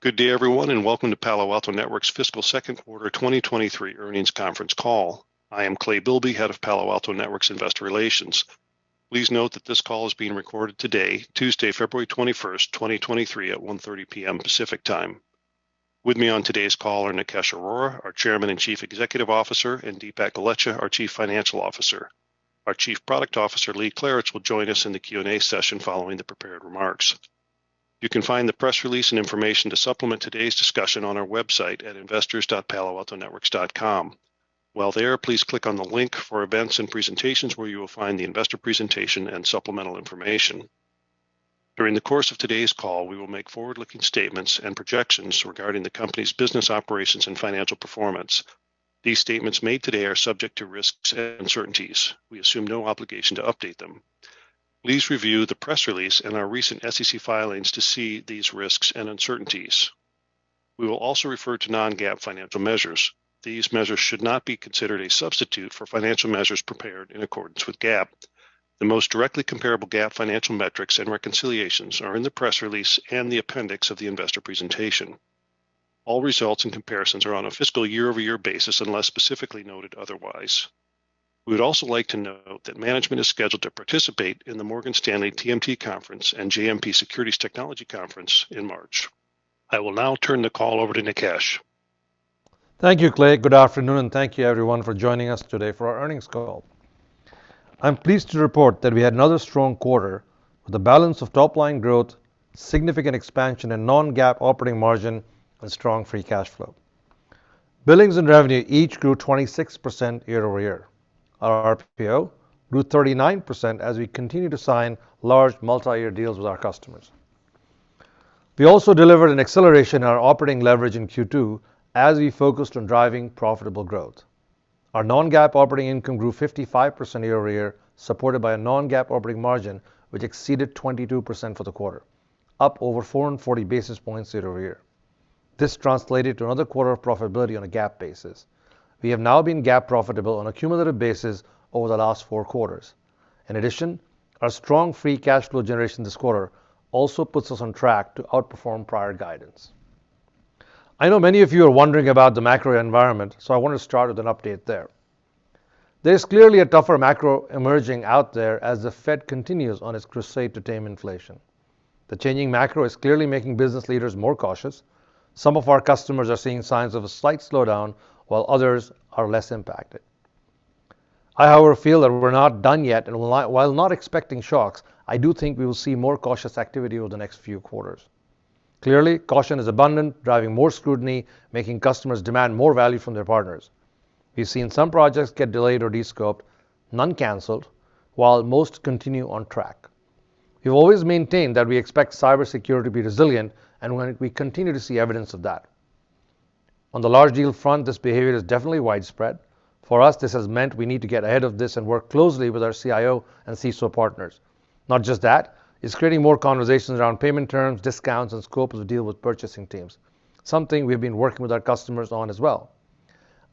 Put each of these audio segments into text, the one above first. Good day, everyone. Welcome to Palo Alto Networks' fiscal second quarter 2023 earnings conference call. I am Clay Bilby, Head of Palo Alto Networks Investor Relations. Please note that this call is being recorded today, Tuesday, February 21st, 2023 at 1:30 P.M. Pacific Time. With me on today's call are Nikesh Arora, our Chairman and Chief Executive Officer, and Dipak Golechha, our Chief Financial Officer. Our Chief Product Officer, Lee Klarich, will join us in the Q&A session following the prepared remarks. You can find the press release and information to supplement today's discussion on our website at investors.paloaltonetworks.com. While there, please click on the link for events and presentations where you will find the investor presentation and supplemental information. During the course of today's call, we will make forward-looking statements and projections regarding the company's business operations and financial performance. These statements made today are subject to risks and uncertainties. We assume no obligation to update them. Please review the press release in our recent SEC filings to see these risks and uncertainties. We will also refer to non-GAAP financial measures. These measures should not be considered a substitute for financial measures prepared in accordance with GAAP. The most directly comparable GAAP financial metrics and reconciliations are in the press release and the appendix of the investor presentation. All results and comparisons are on a fiscal year-over-year basis unless specifically noted otherwise. We would also like to note that management is scheduled to participate in the Morgan Stanley TMT Conference and JMP Securities Technology Conference in March. I will now turn the call over to Nikesh. Thank you, Clay. Good afternoon. Thank you everyone for joining us today for our earnings call. I'm pleased to report that we had another strong quarter with a balance of top-line growth, significant expansion in non-GAAP operating margin, and strong free cash flow. Billings and revenue each grew 26% year-over-year. Our RPO grew 39% as we continue to sign large multi-year deals with our customers. We also delivered an acceleration in our operating leverage in Q2 as we focused on driving profitable growth. Our non-GAAP operating income grew 55% year-over-year, supported by a non-GAAP operating margin, which exceeded 22% for the quarter, up over four and 40 basis points year-over-year. This translated to another quarter of profitability on a GAAP basis. We have now been GAAP profitable on a cumulative basis over the last four quarters. In addition, our strong free cash flow generation this quarter also puts us on track to outperform prior guidance. I know many of you are wondering about the macro environment, so I want to start with an update there. There is clearly a tougher macro emerging out there as the Fed continues on its crusade to tame inflation. The changing macro is clearly making business leaders more cautious. Some of our customers are seeing signs of a slight slowdown while others are less impacted. I however feel that we're not done yet, and while not expecting shocks, I do think we will see more cautious activity over the next few quarters. Clearly, caution is abundant, driving more scrutiny, making customers demand more value from their partners. We've seen some projects get delayed or descoped, none canceled, while most continue on track. We've always maintained that we expect cybersecurity to be resilient, and we continue to see evidence of that. On the large deal front, this behavior is definitely widespread. For us, this has meant we need to get ahead of this and work closely with our CIO and CISO partners. Not just that, it's creating more conversations around payment terms, discounts, and scope of the deal with purchasing teams, something we've been working with our customers on as well.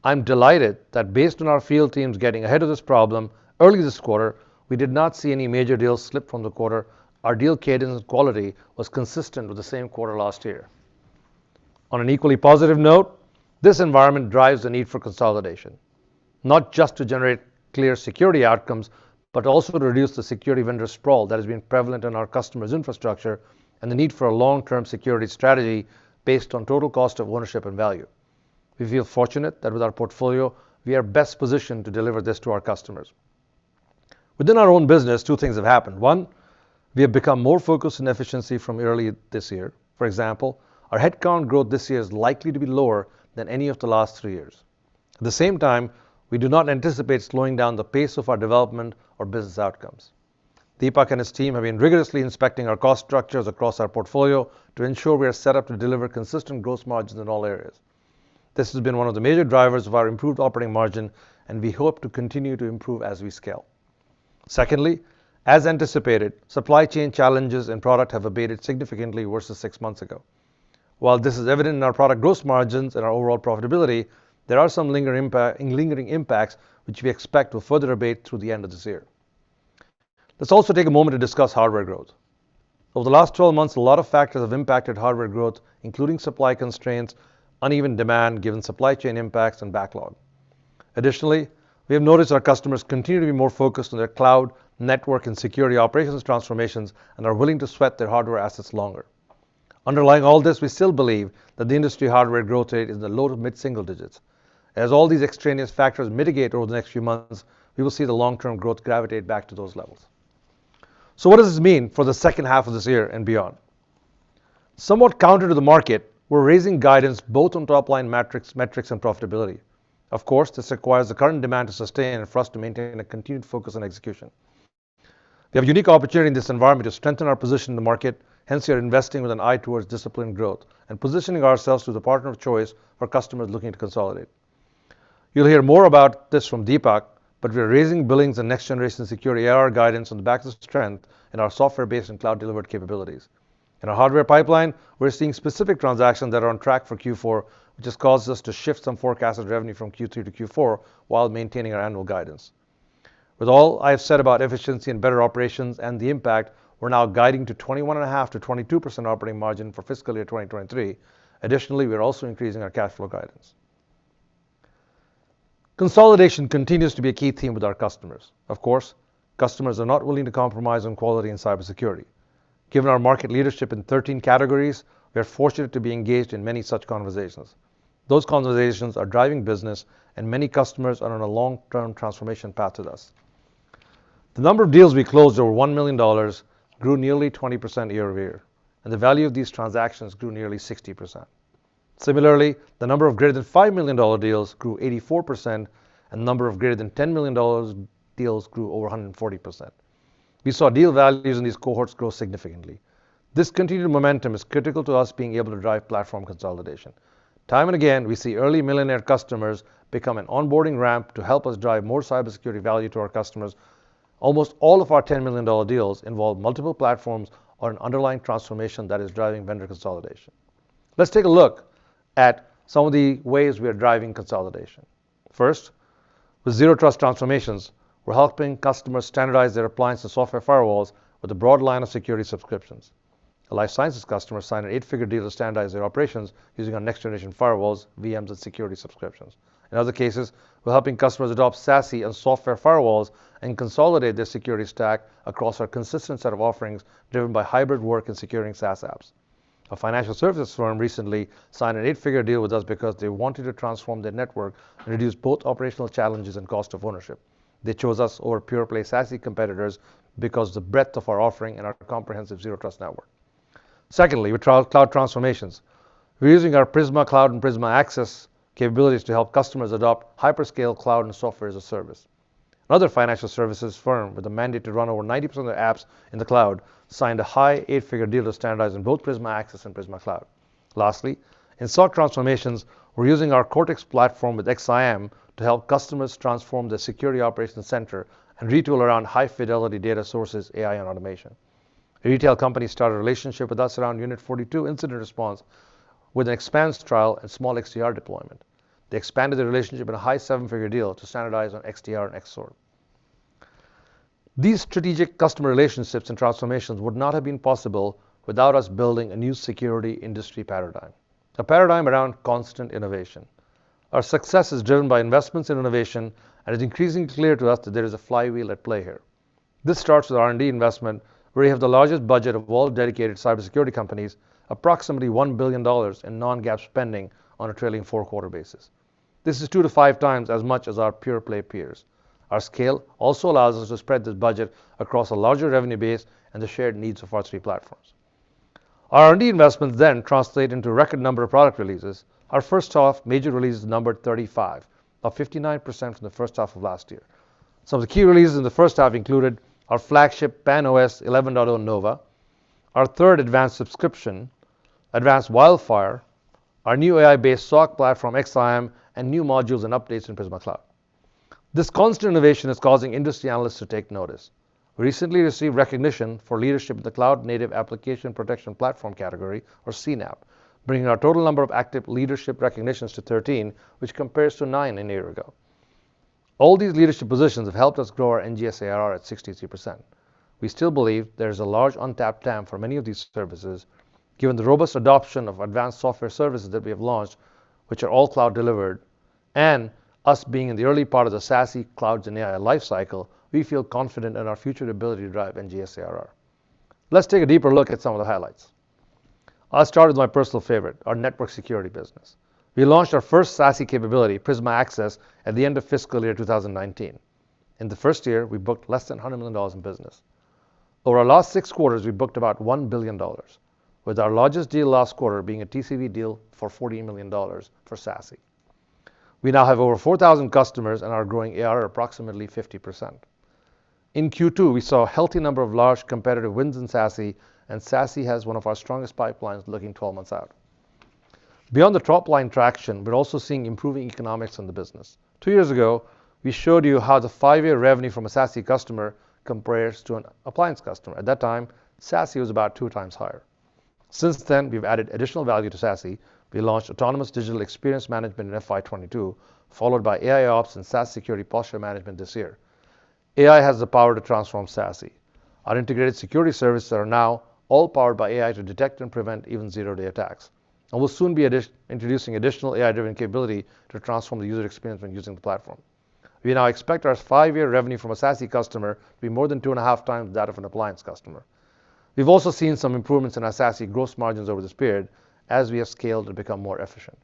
I'm delighted that based on our field teams getting ahead of this problem early this quarter, we did not see any major deals slip from the quarter. Our deal cadence quality was consistent with the same quarter last year. On an equally positive note, this environment drives the need for consolidation, not just to generate clear security outcomes, but also to reduce the security vendor sprawl that has been prevalent in our customers' infrastructure and the need for a long-term security strategy based on total cost of ownership and value. We feel fortunate that with our portfolio, we are best positioned to deliver this to our customers. Within our own business, two things have happened. One, we have become more focused on efficiency from early this year. For example, our headcount growth this year is likely to be lower than any of the last three years. At the same time, we do not anticipate slowing down the pace of our development or business outcomes. Dipak and his team have been rigorously inspecting our cost structures across our portfolio to ensure we are set up to deliver consistent gross margins in all areas. This has been one of the major drivers of our improved operating margin, and we hope to continue to improve as we scale. Secondly, as anticipated, supply chain challenges and product have abated significantly versus six months ago. While this is evident in our product gross margins and our overall profitability, there are some lingering impacts which we expect will further abate through the end of this year. Let's also take a moment to discuss hardware growth. Over the last twelve months, a lot of factors have impacted hardware growth, including supply constraints, uneven demand given supply chain impacts and backlog. Additionally, we have noticed our customers continue to be more focused on their cloud, network, and security operations transformations and are willing to sweat their hardware assets longer. Underlying all this, we still believe that the industry hardware growth rate is in the low to mid-single digits. All these extraneous factors mitigate over the next few months, we will see the long-term growth gravitate back to those levels. What does this mean for the second half of this year and beyond? Somewhat counter to the market, we're raising guidance both on top-line metrics and profitability. Of course, this requires the current demand to sustain and for us to maintain a continued focus on execution. We have a unique opportunity in this environment to strengthen our position in the market, hence we are investing with an eye towards disciplined growth and positioning ourselves to the partner of choice for customers looking to consolidate. You'll hear more about this from Dipak. We're raising billings and Next-Generation Security ARR guidance on the back of strength in our software-based and cloud-delivered capabilities. In our hardware pipeline, we're seeing specific transactions that are on track for Q4, which has caused us to shift some forecasted revenue from Q3 to Q4 while maintaining our annual guidance. With all I have said about efficiency and better operations and the impact, we're now guiding to 21.5%-22% operating margin for fiscal year 2023. Additionally, we are also increasing our cash flow guidance. Consolidation continues to be a key theme with our customers. Of course, customers are not willing to compromise on quality and cybersecurity. Given our market leadership in 13 categories, we are fortunate to be engaged in many such conversations. Those conversations are driving business, and many customers are on a long-term transformation path with us. The number of deals we closed over $1 million grew nearly 20% year-over-year, and the value of these transactions grew nearly 60%. Similarly, the number of greater than $5 million deals grew 84%, and the number of greater than $10 million deals grew over 140%. We saw deal values in these cohorts grow significantly. This continued momentum is critical to us being able to drive platform consolidation. Time and again, we see early millionaire customers become an onboarding ramp to help us drive more cybersecurity value to our customers. Almost all of our $10 million deals involve multiple platforms or an underlying transformation that is driving vendor consolidation. Let's take a look at some of the ways we are driving consolidation. First, with zero trust transformations, we're helping customers standardize their appliance to software firewalls with a broad line of security subscriptions. A life sciences customer signed an eight-figure deal to standardize their operations using our next-generation firewalls, VMs, and security subscriptions. In other cases, we're helping customers adopt SASE and software firewalls and consolidate their security stack across our consistent set of offerings driven by hybrid work and securing SaaS apps. A financial services firm recently signed an eight-figure deal with us because they wanted to transform their network and reduce both operational challenges and cost of ownership. They chose us over pure-play SASE competitors because the breadth of our offering and our comprehensive zero trust network. Secondly, with cloud transformations, we're using our Prisma Cloud and Prisma Access capabilities to help customers adopt hyperscale cloud and software as a service. Another financial services firm with a mandate to run over 90% of their apps in the cloud signed a high eight-figure deal to standardize in both Prisma Access and Prisma Cloud. Lastly, in SOC transformations, we're using our Cortex platform with XSIAM to help customers transform their security operations center and retool around high-fidelity data sources, AI, and automation. A retail company started a relationship with us around Unit 42 incident response with an Xpanse trial and small XDR deployment. They expanded the relationship at a high seven-figure deal to standardize on XDR and XSOAR. These strategic customer relationships and transformations would not have been possible without us building a new security industry paradigm. A paradigm around constant innovation. Our success is driven by investments in innovation, and it's increasingly clear to us that there is a flywheel at play here. This starts with R&D investment, where we have the largest budget of all dedicated cybersecurity companies, approximately $1 billion in non-GAAP spending on a trailing four quarter basis. This is two to five times as much as our pure-play peers. Our scale also allows us to spread this budget across a larger revenue base and the shared needs of our three platforms. R&D investments then translate into a record number of product releases. Our first half major release is numbered 35, up 59% from the first half of last year. Some of the key releases in the first half included our flagship PAN-OS 11.0 Nova, our third advanced subscription, Advanced WildFire, our new AI-based SOC platform, XSIAM, and new modules and updates in Prisma Cloud. This constant innovation is causing industry analysts to take notice. We recently received recognition for leadership in the Cloud-Native Application Protection Platform category, or CNAPP, bringing our total number of active leadership recognitions to 13, which compares to nine a year ago. All these leadership positions have helped us grow our NGSARR at 63%. We still believe there is a large untapped TAM for many of these services, given the robust adoption of advanced software services that we have launched, which are all cloud-delivered, and us being in the early part of the SASE, cloud, and AI lifecycle, we feel confident in our future ability to drive NGSARR. Let's take a deeper look at some of the highlights. I'll start with my personal favorite, our network security business. We launched our first SASE capability, Prisma Access, at the end of fiscal year 2019. In the first year, we booked less than $100 million in business. Over our last six quarters, we booked about $1 billion, with our largest deal last quarter being a TCV deal for $40 million for SASE. We now have over 4,000 customers and our growing AR approximately 50%. In Q2, we saw a healthy number of large competitive wins in SASE, and SASE has one of our strongest pipelines looking 12 months out. Beyond the top-line traction, we're also seeing improving economics in the business. two years ago, we showed you how the five year revenue from a SASE customer compares to an appliance customer. At that time, SASE was about two times higher. Since then, we've added additional value to SASE. We launched Autonomous Digital Experience Management in FY 2022, followed by AIOps and SaaS Security Posture Management this year. AI has the power to transform SASE. Our integrated security services are now all powered by AI to detect and prevent even zero-day attacks, and we'll soon be introducing additional AI-driven capability to transform the user experience when using the platform. We now expect our five year revenue from a SASE customer to be more than 2.5 times that of an appliance customer. We've also seen some improvements in our SASE gross margins over this period as we have scaled and become more efficient.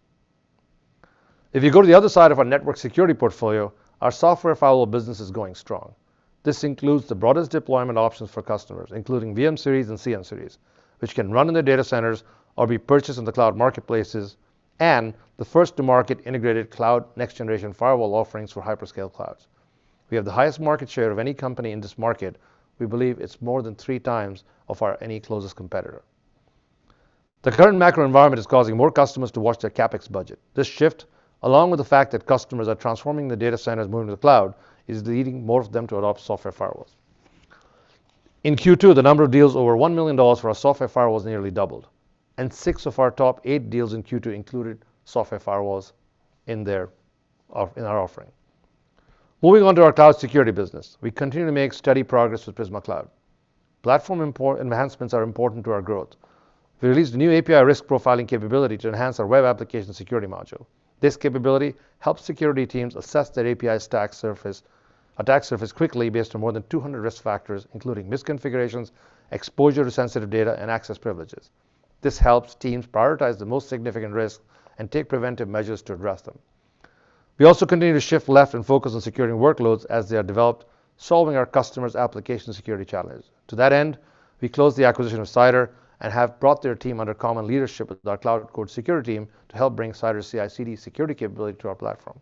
If you go to the other side of our network security portfolio, our software firewall business is going strong. This includes the broadest deployment options for customers, including VM-Series and CN-Series, which can run in their data centers or be purchased in the cloud marketplaces, and the first to market integrated cloud next-generation firewall offerings for hyperscale clouds. We have the highest market share of any company in this market. We believe it's more than three times of our any closest competitor. The current macro environment is causing more customers to watch their CapEx budget. This shift, along with the fact that customers are transforming their data centers moving to the cloud, is leading more of them to adopt software firewalls. In Q2, the number of deals over $1 million for our software firewall has nearly doubled and six of our top eight deals in Q2 included software firewalls in their offering. Moving on to our cloud security business. We continue to make steady progress with Prisma Cloud. Platform import enhancements are important to our growth. We released a new API risk profiling capability to enhance our web application security module. This capability helps security teams assess their API stack attack surface quickly based on more than 200 risk factors, including misconfigurations, exposure to sensitive data, and access privileges. This helps teams prioritize the most significant risks and take preventive measures to address them. We also continue to shift left and focus on securing workloads as they are developed, solving our customers' application security challenges. To that end, we closed the acquisition of Cider and have brought their team under common leadership with our cloud core security team to help bring Cider CI/CD security capability to our platform.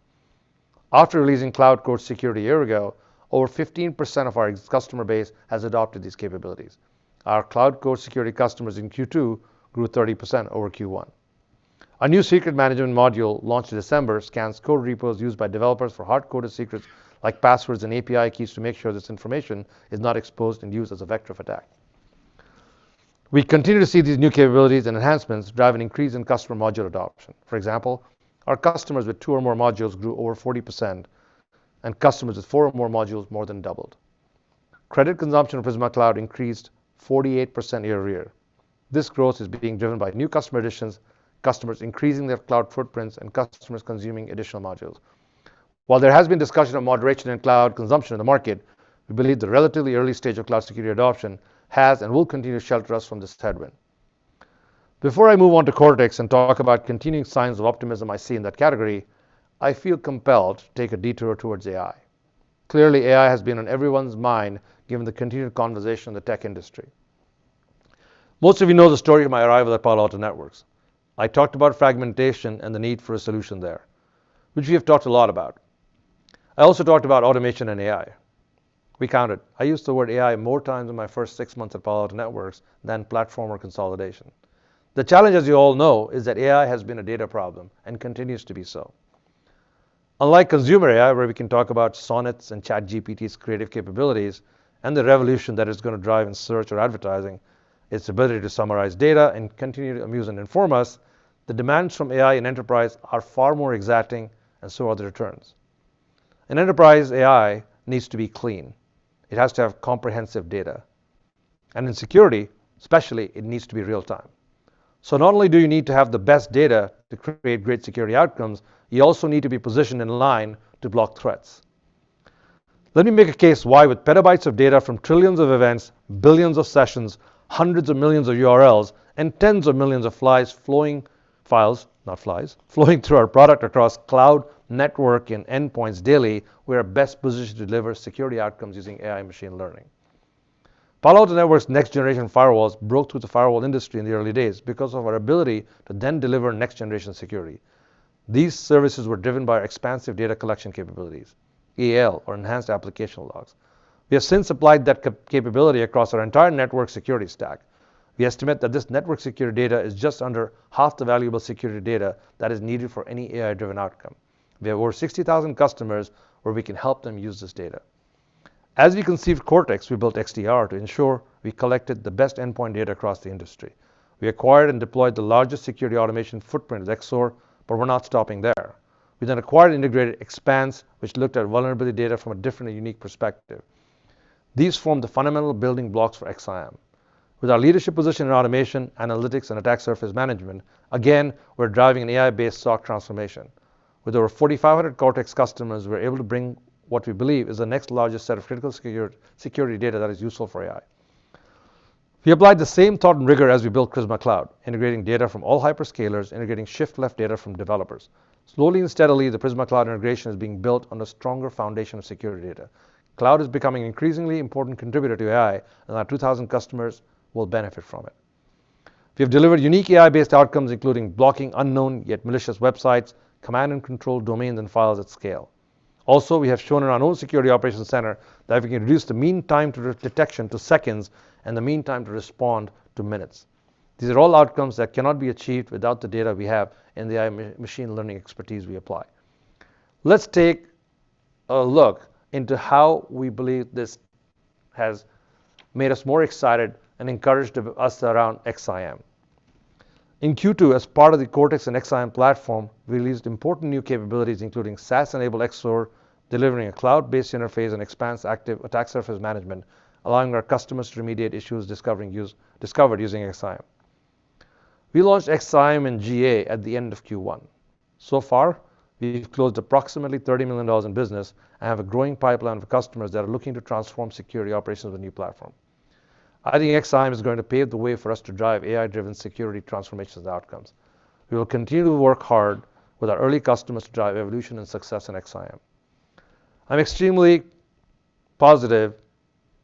After releasing cloud core security a year ago, over 15% of our customer base has adopted these capabilities. Our cloud core security customers in Q2 grew 30% over Q1. A new secret management module launched in December scans code repos used by developers for hard-coded secrets like passwords and API keys to make sure this information is not exposed and used as a vector of attack. We continue to see these new capabilities and enhancements drive an increase in customer module adoption. For example, our customers with two or more modules grew over 40% and customers with four or more modules more than doubled. Credit consumption of Prisma Cloud increased 48% year-over-year. This growth is being driven by new customer additions, customers increasing their cloud footprints, and customers consuming additional modules. While there has been discussion of moderation in cloud consumption in the market, we believe the relatively early stage of cloud security adoption has and will continue to shelter us from this headwind. Before I move on to Cortex and talk about continuing signs of optimism I see in that category, I feel compelled to take a detour towards AI. Clearly, AI has been on everyone's mind given the continued conversation in the tech industry. Most of you know the story of my arrival at Palo Alto Networks. I talked about fragmentation and the need for a solution there, which we have talked a lot about. I also talked about automation and AI. We counted. I used the word AI more times in my first six months at Palo Alto Networks than platform or consolidation. The challenge, as you all know, is that AI has been a data problem and continues to be so. Unlike consumer AI, where we can talk about sonnets and ChatGPT's creative capabilities and the revolution that it's gonna drive in search or advertising, its ability to summarize data and continue to amuse and inform us, the demands from AI in enterprise are far more exacting, and so are the returns. An enterprise AI needs to be clean, it has to have comprehensive data, and in security especially, it needs to be real time. Not only do you need to have the best data to create great security outcomes, you also need to be positioned in line to block threats. Let me make a case why, with petabytes of data from trillions of events, billions of sessions, hundreds of millions of URLs, and tens of millions of flies flowing... Files, not flies, flowing through our product across cloud, network, and endpoints daily, we are best positioned to deliver security outcomes using AI and machine learning. Palo Alto Networks' next-generation firewalls broke through the firewall industry in the early days because of our ability to then deliver next-generation security. These services were driven by our expansive data collection capabilities, EAL, or Enhanced Application Logs. We have since applied that capability across our entire network security stack. We estimate that this network security data is just under half the valuable security data that is needed for any AI-driven outcome. There are over 60,000 customers where we can help them use this data. As we conceived Cortex, we built XDR to ensure we collected the best endpoint data across the industry. We acquired and deployed the largest security automation footprint with XSOAR, we're not stopping there. We then acquired and integrated Xpanse, which looked at vulnerability data from a different and unique perspective. These form the fundamental building blocks for XSIAM. With our leadership position in automation, analytics, and attack surface management, again, we're driving an AI-based SOC transformation. With over 4,500 Cortex customers, we're able to bring what we believe is the next largest set of critical security data that is useful for AI. We applied the same thought and rigor as we built Prisma Cloud, integrating data from all hyperscalers, integrating shift-left data from developers. Slowly and steadily, the Prisma Cloud integration is being built on a stronger foundation of security data. Cloud is becoming an increasingly important contributor to AI, and our 2,000 customers will benefit from it. We have delivered unique AI-based outcomes, including blocking unknown yet malicious websites, command and control domains and files at scale. We have shown in our own security operations center that we can reduce the mean time to de-detection to seconds and the mean time to respond to minutes. These are all outcomes that cannot be achieved without the data we have and the AI machine learning expertise we apply. Let's take a look into how we believe this has made us more excited and encouraged us around XSIAM. In Q two, as part of the Cortex and XSIAM platform, we released important new capabilities, including SaaS-enabled XSOAR, delivering a cloud-based interface and Xpanse active attack surface management, allowing our customers to remediate issues discovered using XSIAM. We launched XSIAM in GA at the end of Q one. Far, we've closed approximately $30 million in business and have a growing pipeline of customers that are looking to transform security operations with the new platform. I think XSIAM is going to pave the way for us to drive AI-driven security transformations outcomes. We will continue to work hard with our early customers to drive evolution and success in XSIAM. I'm extremely positive,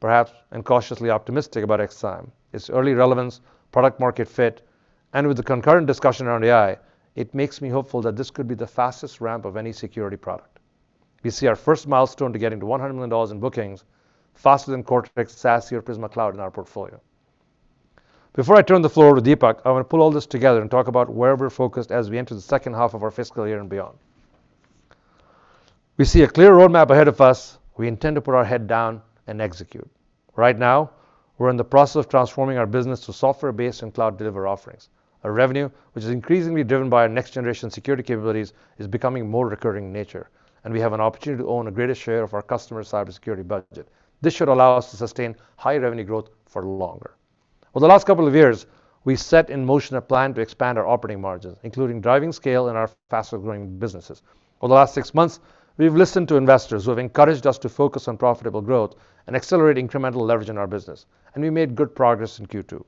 perhaps, and cautiously optimistic about XSIAM, its early relevance, product market fit, and with the concurrent discussion around AI, it makes me hopeful that this could be the fastest ramp of any security product. We see our first milestone to getting to $100 million in bookings faster than Cortex, SaaS, or Prisma Cloud in our portfolio. Before I turn the floor over to Dipak, I want to pull all this together and talk about where we're focused as we enter the second half of our fiscal year and beyond. We see a clear roadmap ahead of us. We intend to put our head down and execute. Right now, we're in the process of transforming our business to software-based and cloud-delivered offerings. Our revenue, which is increasingly driven by our next-generation security capabilities, is becoming more recurring in nature, and we have an opportunity to own a greater share of our customers' cybersecurity budget. This should allow us to sustain higher revenue growth for longer. Over the last couple of years, we set in motion a plan to expand our operating margins, including driving scale in our faster-growing businesses. Over the last six months, we've listened to investors who have encouraged us to focus on profitable growth and accelerate incremental leverage in our business, and we made good progress in Q2.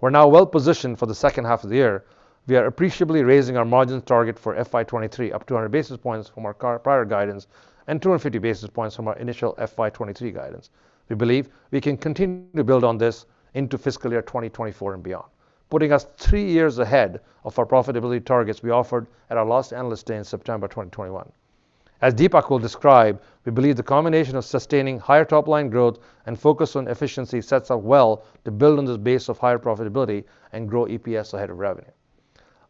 We're now well-positioned for the second half of the year. We are appreciably raising our margins target for FY2023 up 200 basis points from our prior guidance and 250 basis points from our initial FY2023 guidance. We believe we can continue to build on this into fiscal year 2024 and beyond, putting us three years ahead of our profitability targets we offered at our last Analyst Day in September of 2021. As Dipak will describe, we believe the combination of sustaining higher top-line growth and focus on efficiency sets us up well to build on this base of higher profitability and grow EPS ahead of revenue.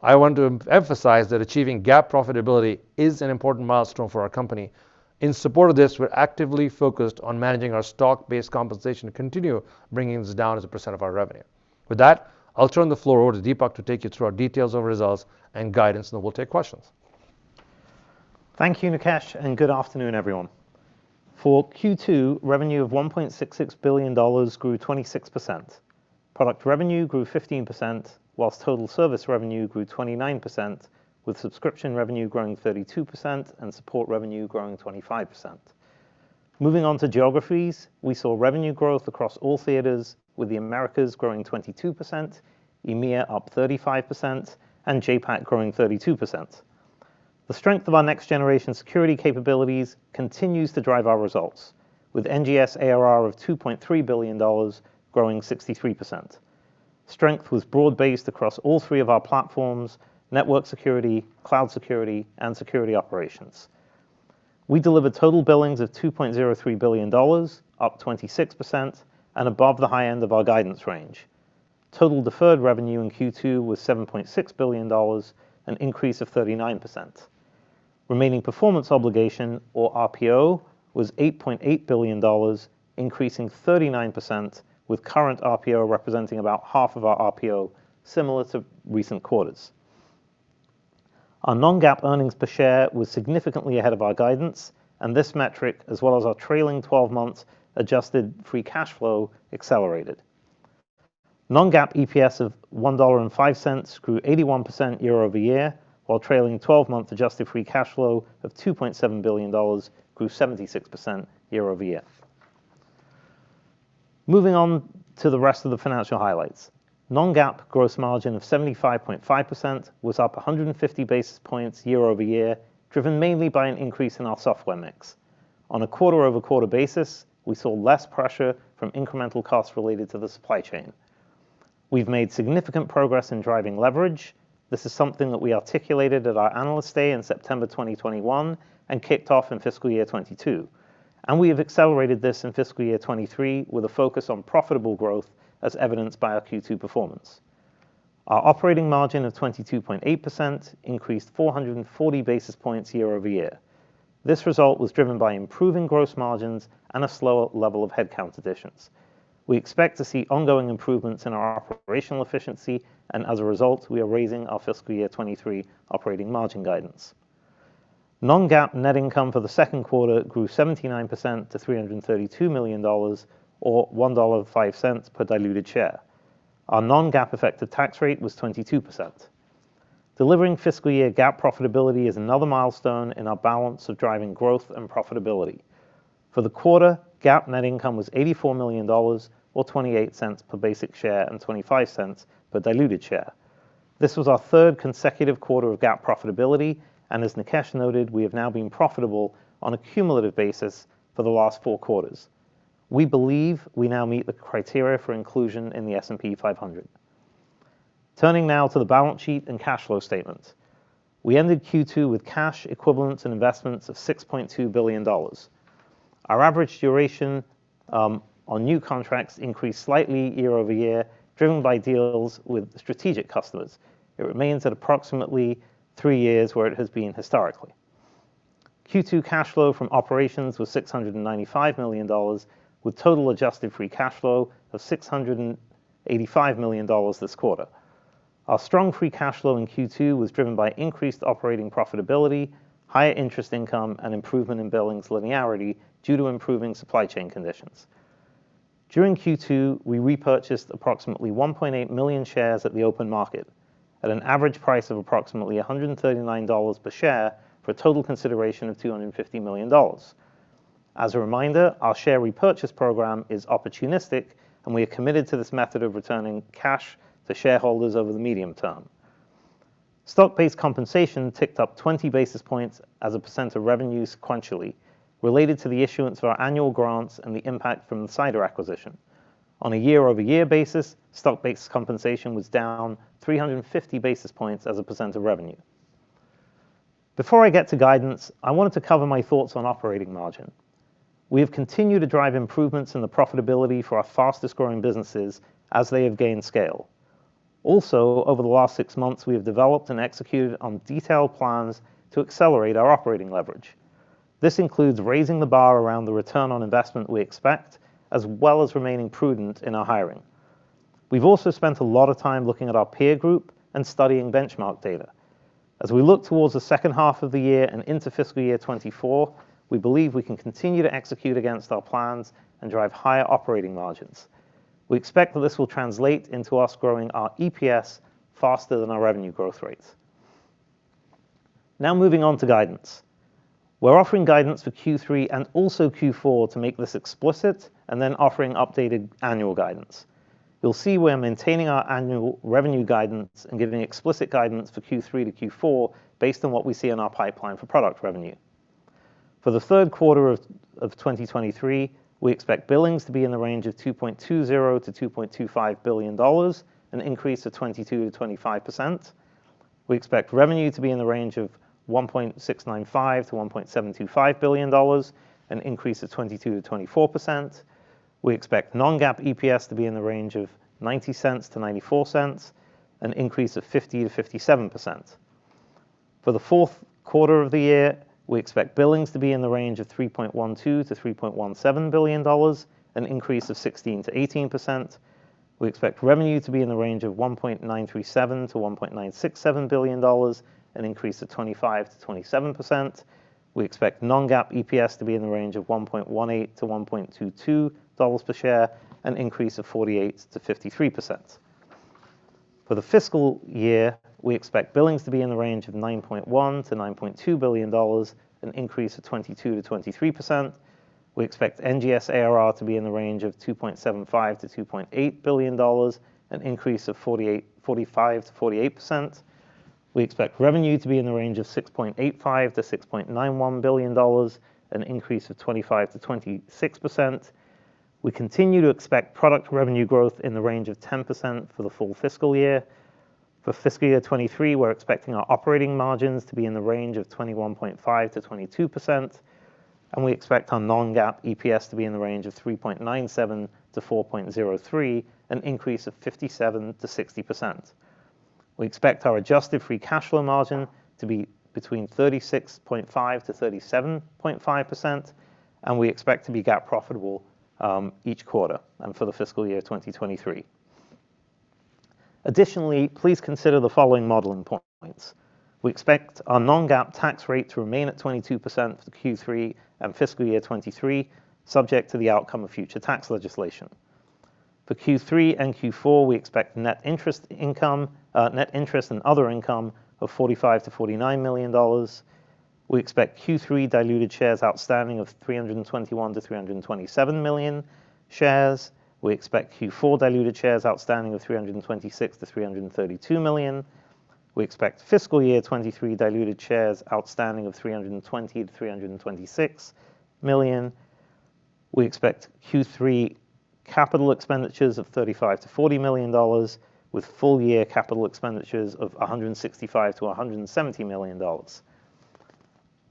I want to emphasize that achieving GAAP profitability is an important milestone for our company. In support of this, we're actively focused on managing our stock-based compensation to continue bringing this down as a percent of our revenue. With that, I'll turn the floor over to Dipak to take you through our details of results and guidance, then we'll take questions. Thank you, Nikesh. Good afternoon, everyone. For Q2, revenue of $1.66 billion grew 26%. Product revenue grew 15%, whilst total service revenue grew 29%, with subscription revenue growing 32% and support revenue growing 25%. Moving on to geographies, we saw revenue growth across all theaters, with the Americas growing 22%, EMEA up 35%, and JAPAC growing 32%. The strength of our next-generation security capabilities continues to drive our results, with NGS ARR of $2.3 billion growing 63%. Strength was broad-based across all three of our platforms: network security, cloud security, and security operations. We delivered total billings of $2.03 billion, up 26% and above the high end of our guidance range. Total deferred revenue in Q2 was $7.6 billion, an increase of 39%. Remaining performance obligation or RPO was $8.8 billion, increasing 39%, with current RPO representing about half of our RPO, similar to recent quarters. Our non-GAAP earnings per share was significantly ahead of our guidance, and this metric, as well as our trailing twelve-month adjusted free cash flow, accelerated. Non-GAAP EPS of $1.05 grew 81% year-over-year, while trailing twelve-month adjusted free cash flow of $2.7 billion grew 76% year-over-year. Moving on to the rest of the financial highlights. Non-GAAP gross margin of 75.5% was up 150 basis points year-over-year, driven mainly by an increase in our software mix. On a quarter-over-quarter basis, we saw less pressure from incremental costs related to the supply chain. We've made significant progress in driving leverage. This is something that we articulated at our Analyst Day in September 2021 and kicked off in fiscal year 2022, and we have accelerated this in fiscal year 2023 with a focus on profitable growth, as evidenced by our Q2 performance. Our operating margin of 22.8% increased 440 basis points year-over-year. This result was driven by improving gross margins and a slower level of headcount additions. We expect to see ongoing improvements in our operational efficiency, and as a result, we are raising our fiscal year 2023 operating margin guidance. Non-GAAP net income for the second quarter grew 79% to $332 million or $1.05 per diluted share. Our non-GAAP effective tax rate was 22%. Delivering fiscal year GAAP profitability is another milestone in our balance of driving growth and profitability. For the quarter, GAAP net income was $84 million or $0.28 per basic share and $0.25 per diluted share. This was our third consecutive quarter of GAAP profitability, and as Nikesh Arora noted, we have now been profitable on a cumulative basis for the last four quarters. We believe we now meet the criteria for inclusion in the S&P 500. Turning now to the balance sheet and cash flow statement. We ended Q2 with cash equivalents and investments of $6.2 billion. Our average duration on new contracts increased slightly year-over-year, driven by deals with strategic customers. It remains at approximately three years where it has been historically. Q2 cash flow from operations was $695 million, with total adjusted free cash flow of $685 million this quarter. Our strong free cash flow in Q2 was driven by increased operating profitability, higher interest income, and improvement in billings linearity due to improving supply chain conditions. During Q2, we repurchased approximately 1.8 million shares at the open market at an average price of approximately $139 per share for a total consideration of $250 million. As a reminder, our share repurchase program is opportunistic, and we are committed to this method of returning cash to shareholders over the medium term. Stock-based compensation ticked up 20 basis points as a percent of revenue sequentially related to the issuance of our annual grants and the impact from the Cider acquisition. On a year-over-year basis, stock-based compensation was down 350 basis points as a % of revenue. Before I get to guidance, I wanted to cover my thoughts on operating margin. We have continued to drive improvements in the profitability for our fastest-growing businesses as they have gained scale. Over the last six months, we have developed and executed on detailed plans to accelerate our operating leverage. This includes raising the bar around the ROI we expect, as well as remaining prudent in our hiring. We've also spent a lot of time looking at our peer group and studying benchmark data. We look towards the second half of the year and into fiscal year 2024, we believe we can continue to execute against our plans and drive higher operating margins. We expect that this will translate into us growing our EPS faster than our revenue growth rates. Moving on to guidance. We're offering guidance for Q3 and also Q4 to make this explicit, and then offering updated annual guidance. You'll see we're maintaining our annual revenue guidance and giving explicit guidance for Q3 to Q4 based on what we see in our pipeline for product revenue. For the third quarter of 2023, we expect billings to be in the range of $2.20 billion-$2.25 billion, an increase of 22%-25%. We expect revenue to be in the range of $1.695-$1.725 billion, an increase of 22%-24%. We expect non-GAAP EPS to be in the range of $0.90-$0.94, an increase of 50%-57%. For the fourth quarter of the year, we expect billings to be in the range of $3.12-$3.17 billion, an increase of 16%-18%. We expect revenue to be in the range of $1.937-$1.967 billion, an increase of 25%-27%. We expect non-GAAP EPS to be in the range of $1.18-$1.22 per share, an increase of 48%-53%. For the fiscal year, we expect billings to be in the range of $9.1-$9.2 billion, an increase of 22%-23%. We expect NGSARR to be in the range of $2.75-$2.8 billion, an increase of 45%-48%. We expect revenue to be in the range of $6.85-$6.91 billion, an increase of 25%-26%. We continue to expect product revenue growth in the range of 10% for the full fiscal year. For fiscal year 2023, we're expecting our operating margins to be in the range of 21.5%-22%, and we expect our non-GAAP EPS to be in the range of $3.97-$4.03, an increase of 57%-60%. We expect our adjusted free cash flow margin to be between 36.5%-37.5%, and we expect to be GAAP profitable each quarter and for the fiscal year 2023. Additionally, please consider the following modeling points. We expect our non-GAAP tax rate to remain at 22% for Q3 and fiscal year 2023, subject to the outcome of future tax legislation. For Q3 and Q4, we expect net interest and other income of $45-$49 million. We expect Q3 diluted shares outstanding of 321 million-327 million shares. We expect Q4 diluted shares outstanding of 326 million-332 million. We expect fiscal year 2023 diluted shares outstanding of 320 million-326 million. We expect Q3 capital expenditures of $35-$40 million, with full year capital expenditures of $165-$170 million.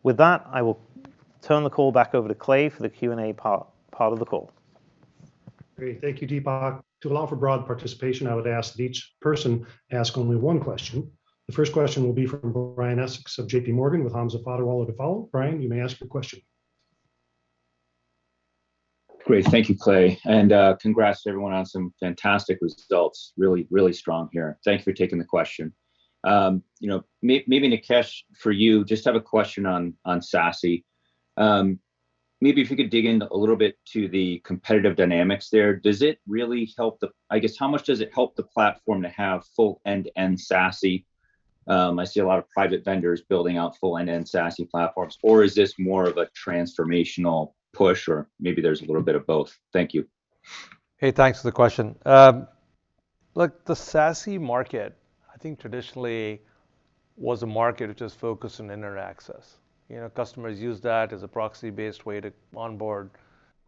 With that, I will turn the call back over to Clay for the Q&A part of the call. Great. Thank you, Dipak. To allow for broad participation, I would ask that each person ask only one question. The first question will be from Brian Essex of JPMorgan, with Hamza Fodderwala to follow. Brian, you may ask your question. Great. Thank you, Clay. Congrats to everyone on some fantastic results. Really, really strong here. Thank you for taking the question. You know, Nikesh, for you, just have a question on SASE. Maybe if you could dig in a little bit to the competitive dynamics there. Does it really help the... I guess, how much does it help the platform to have full end-to-end SASE? I see a lot of private vendors building out full end-to-end SASE platforms. Is this more of a transformational push, or maybe there's a little bit of both? Thank you. Thanks for the question. The SASE market, I think traditionally was a market that just focused on internet access. You know, customers used that as a proxy-based way to onboard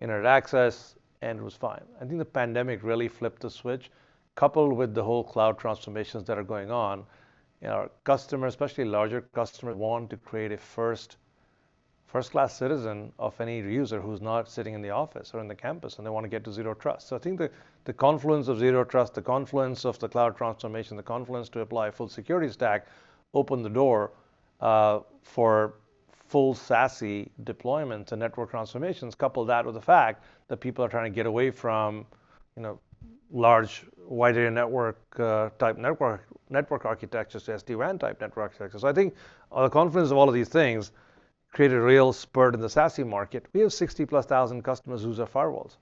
internet access, and it was fine. I think the pandemic really flipped the switch. Coupled with the whole cloud transformations that are going on, you know, our customers, especially larger customers, want to create a first-class citizen of any user who's not sitting in the office or in the campus, and they want to get to zero trust. I think the confluence of zero trust, the confluence of the cloud transformation, the confluence to apply a full security stack opened the door for full SASE deployment and network transformations. Couple that with the fact that people are trying to get away from, you know, large wide area network type network architectures to SD-RAN type network architectures. I think the confluence of all of these things created a real spurt in the SASE market. We have 60,000+ customers who use our firewalls.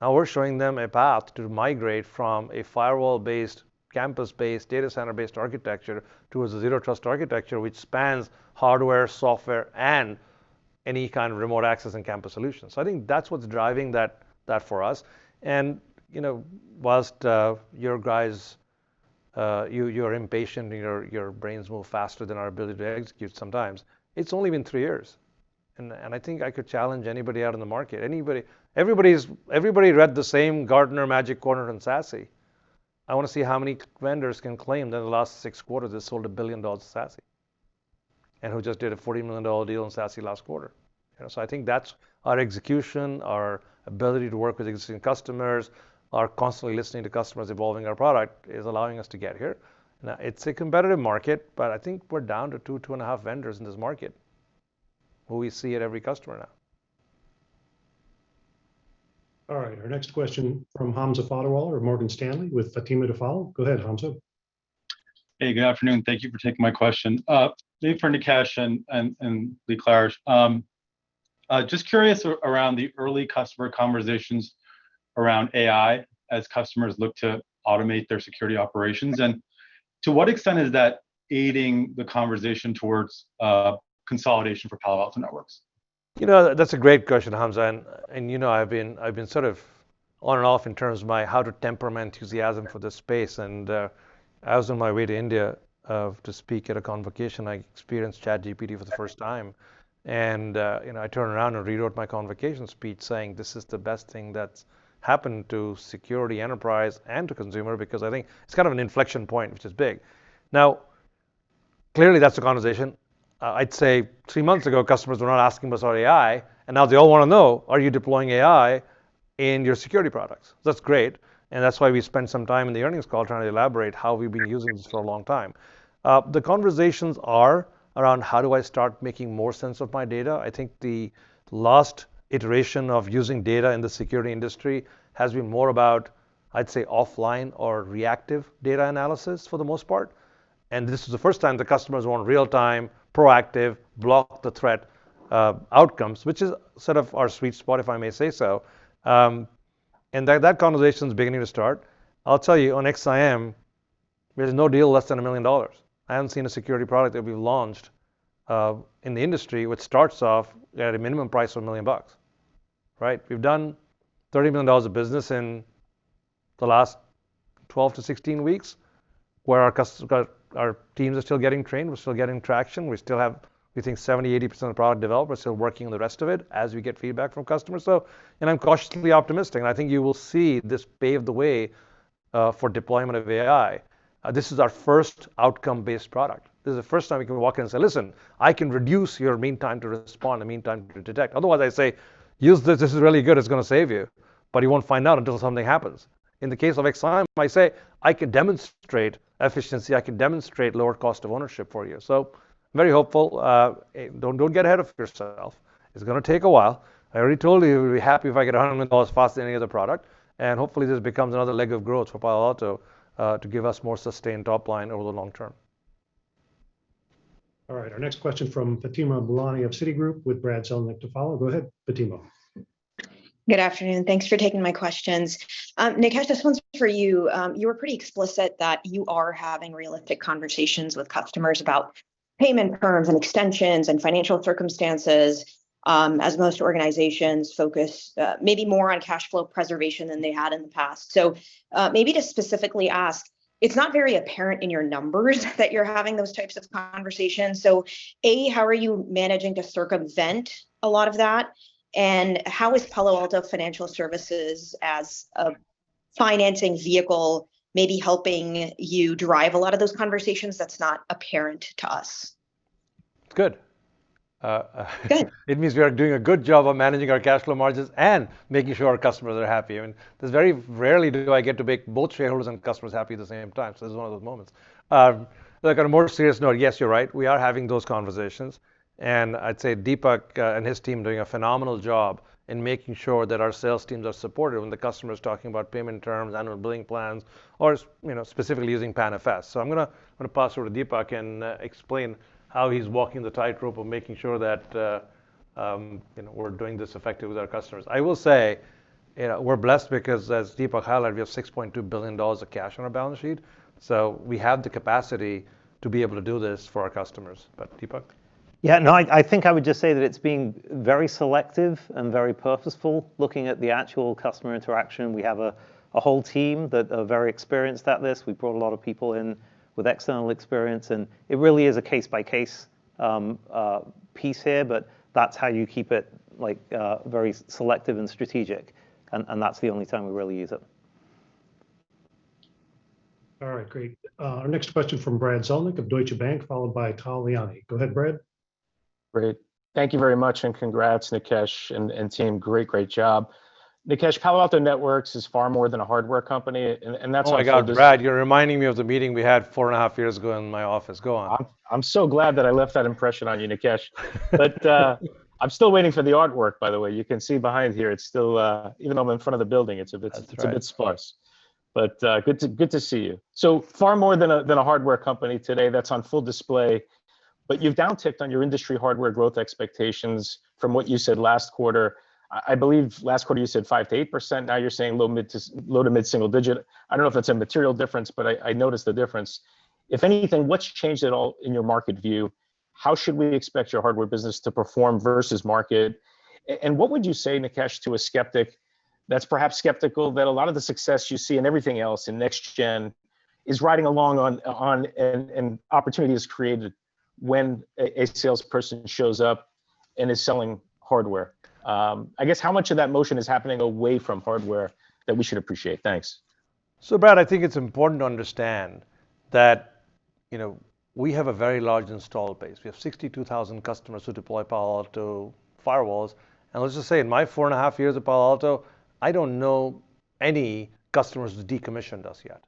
Now we're showing them a path to migrate from a firewall-based, campus-based, data center-based architecture towards a zero trust architecture which spans hardware, software, and any kind of remote access and campus solutions. I think that's what's driving that for us. You know, whilst you guys, you're impatient, your brains move faster than our ability to execute sometimes, it's only been three years. I think I could challenge anybody out in the market. Everybody's read the same Gartner Magic Quadrant on SASE. I wanna see how many vendors can claim that in the last six quarters they sold $1 billion of SASE. Who just did a $40 million deal in SASE last quarter. You know, I think that's our execution, our ability to work with existing customers, our constantly listening to customers, evolving our product, is allowing us to get here. It's a competitive market, I think we're down to two and a half vendors in this market who we see at every customer now. All right. Our next question from Hamza Fodderwala of Morgan Stanley with Fatima to follow. Go ahead, Hamza. Hey, good afternoon. Thank you for taking my question. Maybe for Nikesh and Lee Klarich, just curious around the early customer conversations around AI as customers look to automate their security operations. To what extent is that aiding the conversation towards a consolidation for Palo Alto Networks? You know, that's a great question, Hamza, and you know, I've been sort of on and off in terms of my how to temper my enthusiasm for this space, I was on my way to India to speak at a convocation, I experienced ChatGPT for the first time, and you know, I turned around and rewrote my convocation speech saying, "This is the best thing that's happened to security enterprise and to consumer," because I think it's kind of an inflection point, which is big. Clearly that's the conversation. I'd say three months ago, customers were not asking us about AI, now they all wanna know, are you deploying AI in your security products? That's great, that's why we spent some time in the earnings call trying to elaborate how we've been using this for a long time. The conversations are around how do I start making more sense of my data? I think the last iteration of using data in the security industry has been more about, I'd say, offline or reactive data analysis for the most part. This is the first time the customers want real-time, proactive, block the threat outcomes, which is sort of our sweet spot, if I may say so. That conversation's beginning to start. I'll tell you, on XSIAM, there's no deal less than $1 million. I haven't seen a security product that we've launched in the industry which starts off at a minimum price of $1 million. Right? We've done $30 million of business in the last 12-16 weeks, where our customers, our teams are still getting trained, we're still getting traction, we still have, we think 70%-80% of product developers still working on the rest of it as we get feedback from customers. I'm cautiously optimistic, and I think you will see this pave the way for deployment of AI. This is our first outcome-based product. This is the first time we can walk in and say, "Listen, I can reduce your meantime to respond and meantime to detect." Otherwise, I say, "Use this. This is really good, it's gonna save you," but you won't find out until something happens. In the case of XSIAM, I say, "I can demonstrate efficiency. I can demonstrate lower cost of ownership for you." Very hopeful. Don't get ahead of yourself. It's gonna take a while. I already told you it would be happy if I get $100 million faster than any other product. Hopefully this becomes another leg of growth for Palo Alto to give us more sustained top line over the long term. All right. Our next question from Fatima Boolani of Citigroup with Brad Zelnick to follow. Go ahead, Fatima. Good afternoon. Thanks for taking my questions. Nikesh, this one's for you. You were pretty explicit that you are having realistic conversations with customers about payment terms and extensions and financial circumstances, as most organizations focus, maybe more on cash flow preservation than they had in the past. Maybe to specifically ask, it's not very apparent in your numbers that you're having those types of conversations. A, how are you managing to circumvent a lot of that? How is Palo Alto Financial Services as a financing vehicle maybe helping you drive a lot of those conversations that's not apparent to us? Good. Good ... it means we are doing a good job of managing our cash flow margins and making sure our customers are happy. I mean, there's very rarely do I get to make both shareholders and customers happy at the same time, so this is one of those moments. Look, on a more serious note, yes, you're right, we are having those conversations. I'd say Dipak and his team doing a phenomenal job in making sure that our sales teams are supported when the customer's talking about payment terms, annual billing plans, or you know, specifically using PAN-OS. I'm gonna pass over to Dipak and explain how he's walking the tightrope of making sure that, you know, we're doing this effectively with our customers. I will say, you know, we're blessed because as Dipak highlighted, we have $6.2 billion of cash on our balance sheet. We have the capacity to be able to do this for our customers. Dipak. Yeah, no, I think I would just say that it's been very selective and very purposeful looking at the actual customer interaction. We have a whole team that are very experienced at this. We brought a lot of people in with external experience. It really is a case-by-case piece here, but that's how you keep it, like, very selective and strategic. That's the only time we really use it. All right. Great. Our next question from Brad Zelnick of Deutsche Bank, followed by Tal Liani. Go ahead, Brad. Great. Thank you very much, and congrats, Nikesh and team. Great job. Nikesh, Palo Alto Networks is far more than a hardware company and that's why I Oh, my God, Brad, you're reminding me of the meeting we had four and a half years ago in my office. Go on. I'm so glad that I left that impression on you, Nikesh. I'm still waiting for the artwork, by the way. You can see behind here, it's still, even though I'm in front of the building, it's a bit. That's right.... it's a bit sparse. good to see you. far more than a hardware company today, that's on full display, but you've downticked on your industry hardware growth expectations from what you said last quarter. I believe last quarter you said 5%-8%, now you're saying low to mid single digit. I don't know if that's a material difference, but I noticed the difference. If anything, what's changed at all in your market view? How should we expect your hardware business to perform versus market? and what would you say, Nikesh, to a skeptic that's perhaps skeptical that a lot of the success you see in everything else in next gen is riding along on an opportunity that's created when a salesperson shows up and is selling hardware? I guess how much of that motion is happening away from hardware that we should appreciate? Thanks. Brad, I think it's important to understand that you know we have a very large installed base. We have 62,000 customers who deploy Palo Alto firewalls, and let's just say in my four and a half years at Palo Alto, I don't know any customers who decommissioned us yet.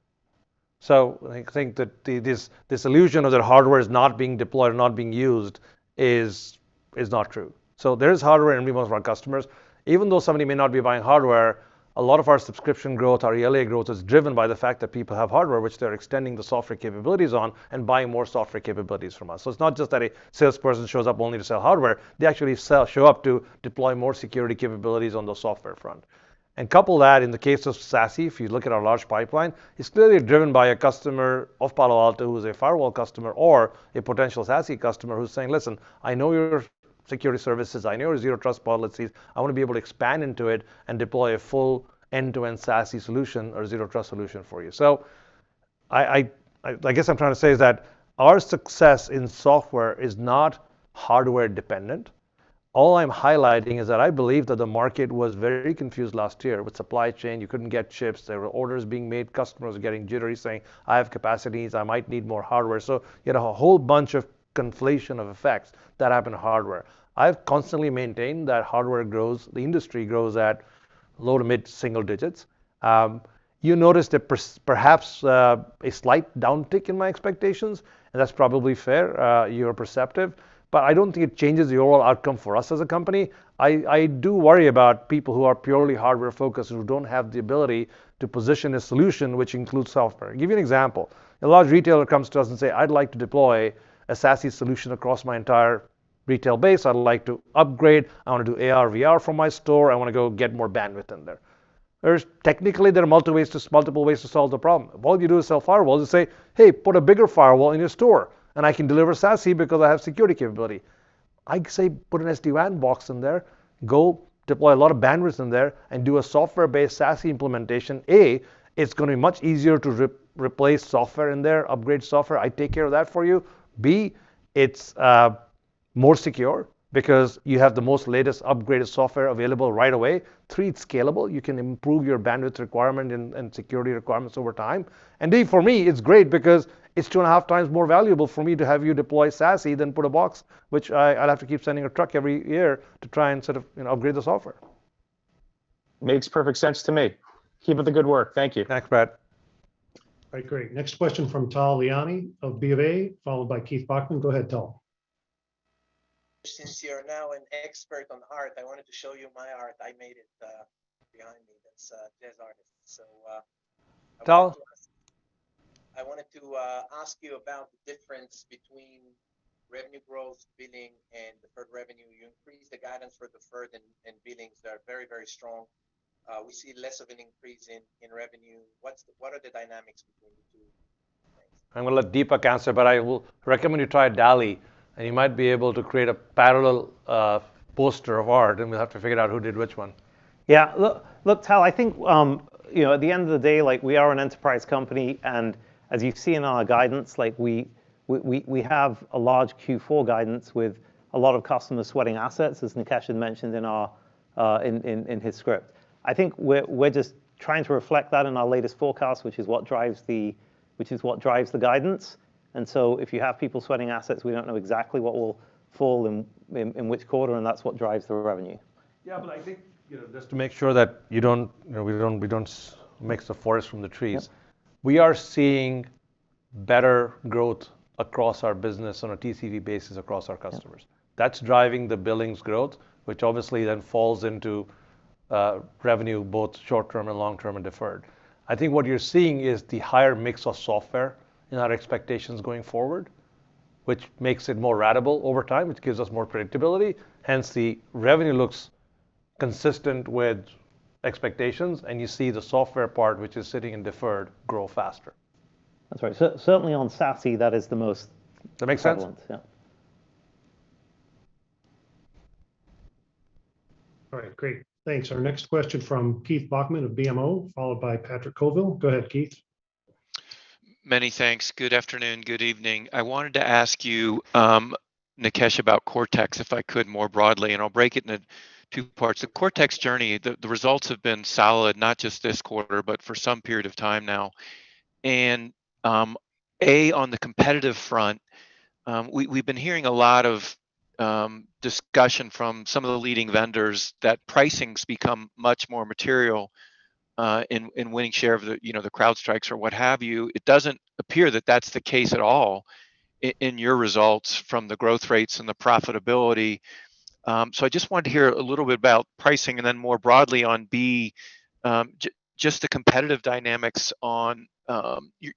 I think that this illusion of their hardware is not being deployed or not being used is not true. There is hardware in most of our customers. Even though somebody may not be buying hardware, a lot of our subscription growth, our yearly growth is driven by the fact that people have hardware which they're extending the software capabilities on and buying more software capabilities from us. It's not just that a salesperson shows up only to sell hardware, they actually show up to deploy more security capabilities on the software front. Couple that in the case of SASE, if you look at our large pipeline, it's clearly driven by a customer of Palo Alto who's a firewall customer or a potential SASE customer who's saying, "Listen, I know your security services. I know your zero trust policies. I want to be able to expand into it and deploy a full end-to-end SASE solution or zero trust solution for you." I guess I'm trying to say is that our success in software is not hardware dependent. All I'm highlighting is that I believe that the market was very confused last year with supply chain. You couldn't get chips. There were orders being made, customers getting jittery saying, "I have capacities, I might need more hardware." You had a whole bunch of conflation of effects that happened to hardware. I've constantly maintained that hardware grows, the industry grows at low to mid single digits. You notice that perhaps a slight downtick in my expectations, and that's probably fair, you're perceptive. I don't think it changes the overall outcome for us as a company. I do worry about people who are purely hardware focused who don't have the ability to position a solution which includes software. Give you an example. A large retailer comes to us and say, "I'd like to deploy a SASE solution across my entire retail base. I'd like to upgrade. I want to do AR/VR for my store. I want to go get more bandwidth in there." There's, technically, multiple ways to solve the problem. What you do to sell firewalls is say, "Hey, put a bigger firewall in your store, and I can deliver SASE because I have security capability." I say, "Put an SD-WAN box in there, go deploy a lot of bandwidth in there and do a software-based SASE implementation." A, it's gonna be much easier to re-replace software in there, upgrade software. I take care of that for you. B, it's more secure because you have the most latest upgraded software available right away. Three, it's scalable. You can improve your bandwidth requirement and security requirements over time. D, for me, it's great because it's two and a half times more valuable for me to have you deploy SASE than put a box, which I'd have to keep sending a truck every year to try and sort of, you know, upgrade the software. Makes perfect sense to me. Keep up the good work. Thank you. Thanks, Brad. All right. Great. Next question from Tal Liani of B. Riley Financial, followed by Keith Bachman. Go ahead, Tal. Since you're now an expert on art, I wanted to show you my art. I made it, behind me. That's jazz artist. Tal? I wanted to ask you about the difference between revenue growth, billing, and deferred revenue. You increased the guidance for deferred and billings. They are very, very strong. We see less of an increase in revenue. What are the dynamics between the two things? I'm gonna let Dipak answer, but I will recommend you try DALL-E, and you might be able to create a parallel, poster of art, and we'll have to figure out who did which one. Yeah. Look, Tal Liani, I think, you know, at the end of the day, like we are an enterprise company, as you've seen in our guidance, like we have a large Q4 guidance with a lot of customers sweating assets, as Nikesh Arora had mentioned in his script. I think we're just trying to reflect that in our latest forecast, which is what drives the guidance. If you have people sweating assets, we don't know exactly what will fall in which quarter, and that's what drives the revenue. Yeah, but I think, you know, just to make sure that you don't, you know, we don't mix the forest from the trees. Yep. We are seeing better growth across our business on a TCV basis across our customers. Yep. That's driving the billings growth, which obviously then falls into revenue, both short-term and long-term and deferred. I think what you're seeing is the higher mix of software in our expectations going forward, which makes it more ratable over time, which gives us more predictability. Hence, the revenue looks consistent with expectations, and you see the software part, which is sitting in deferred, grow faster. That's right. certainly on SASE, that is the most- That makes sense? relevant, yeah. All right. Great. Thanks. Our next question from Keith Bachman of BMO, followed by Patrick Colville. Go ahead, Keith. Many thanks. Good afternoon. Good evening. I wanted to ask you, Nikesh, about Cortex, if I could, more broadly, and I'll break it into two parts. The Cortex journey, the results have been solid, not just this quarter, but for some period of time now. A, on the competitive front, we've been hearing a lot of discussion from some of the leading vendors that pricing's become much more material in winning share of the, you know, the CrowdStrike or what have you. It doesn't appear that that's the case at all in your results from the growth rates and the profitability. I just wanted to hear a little bit about pricing and then more broadly on B, just the competitive dynamics on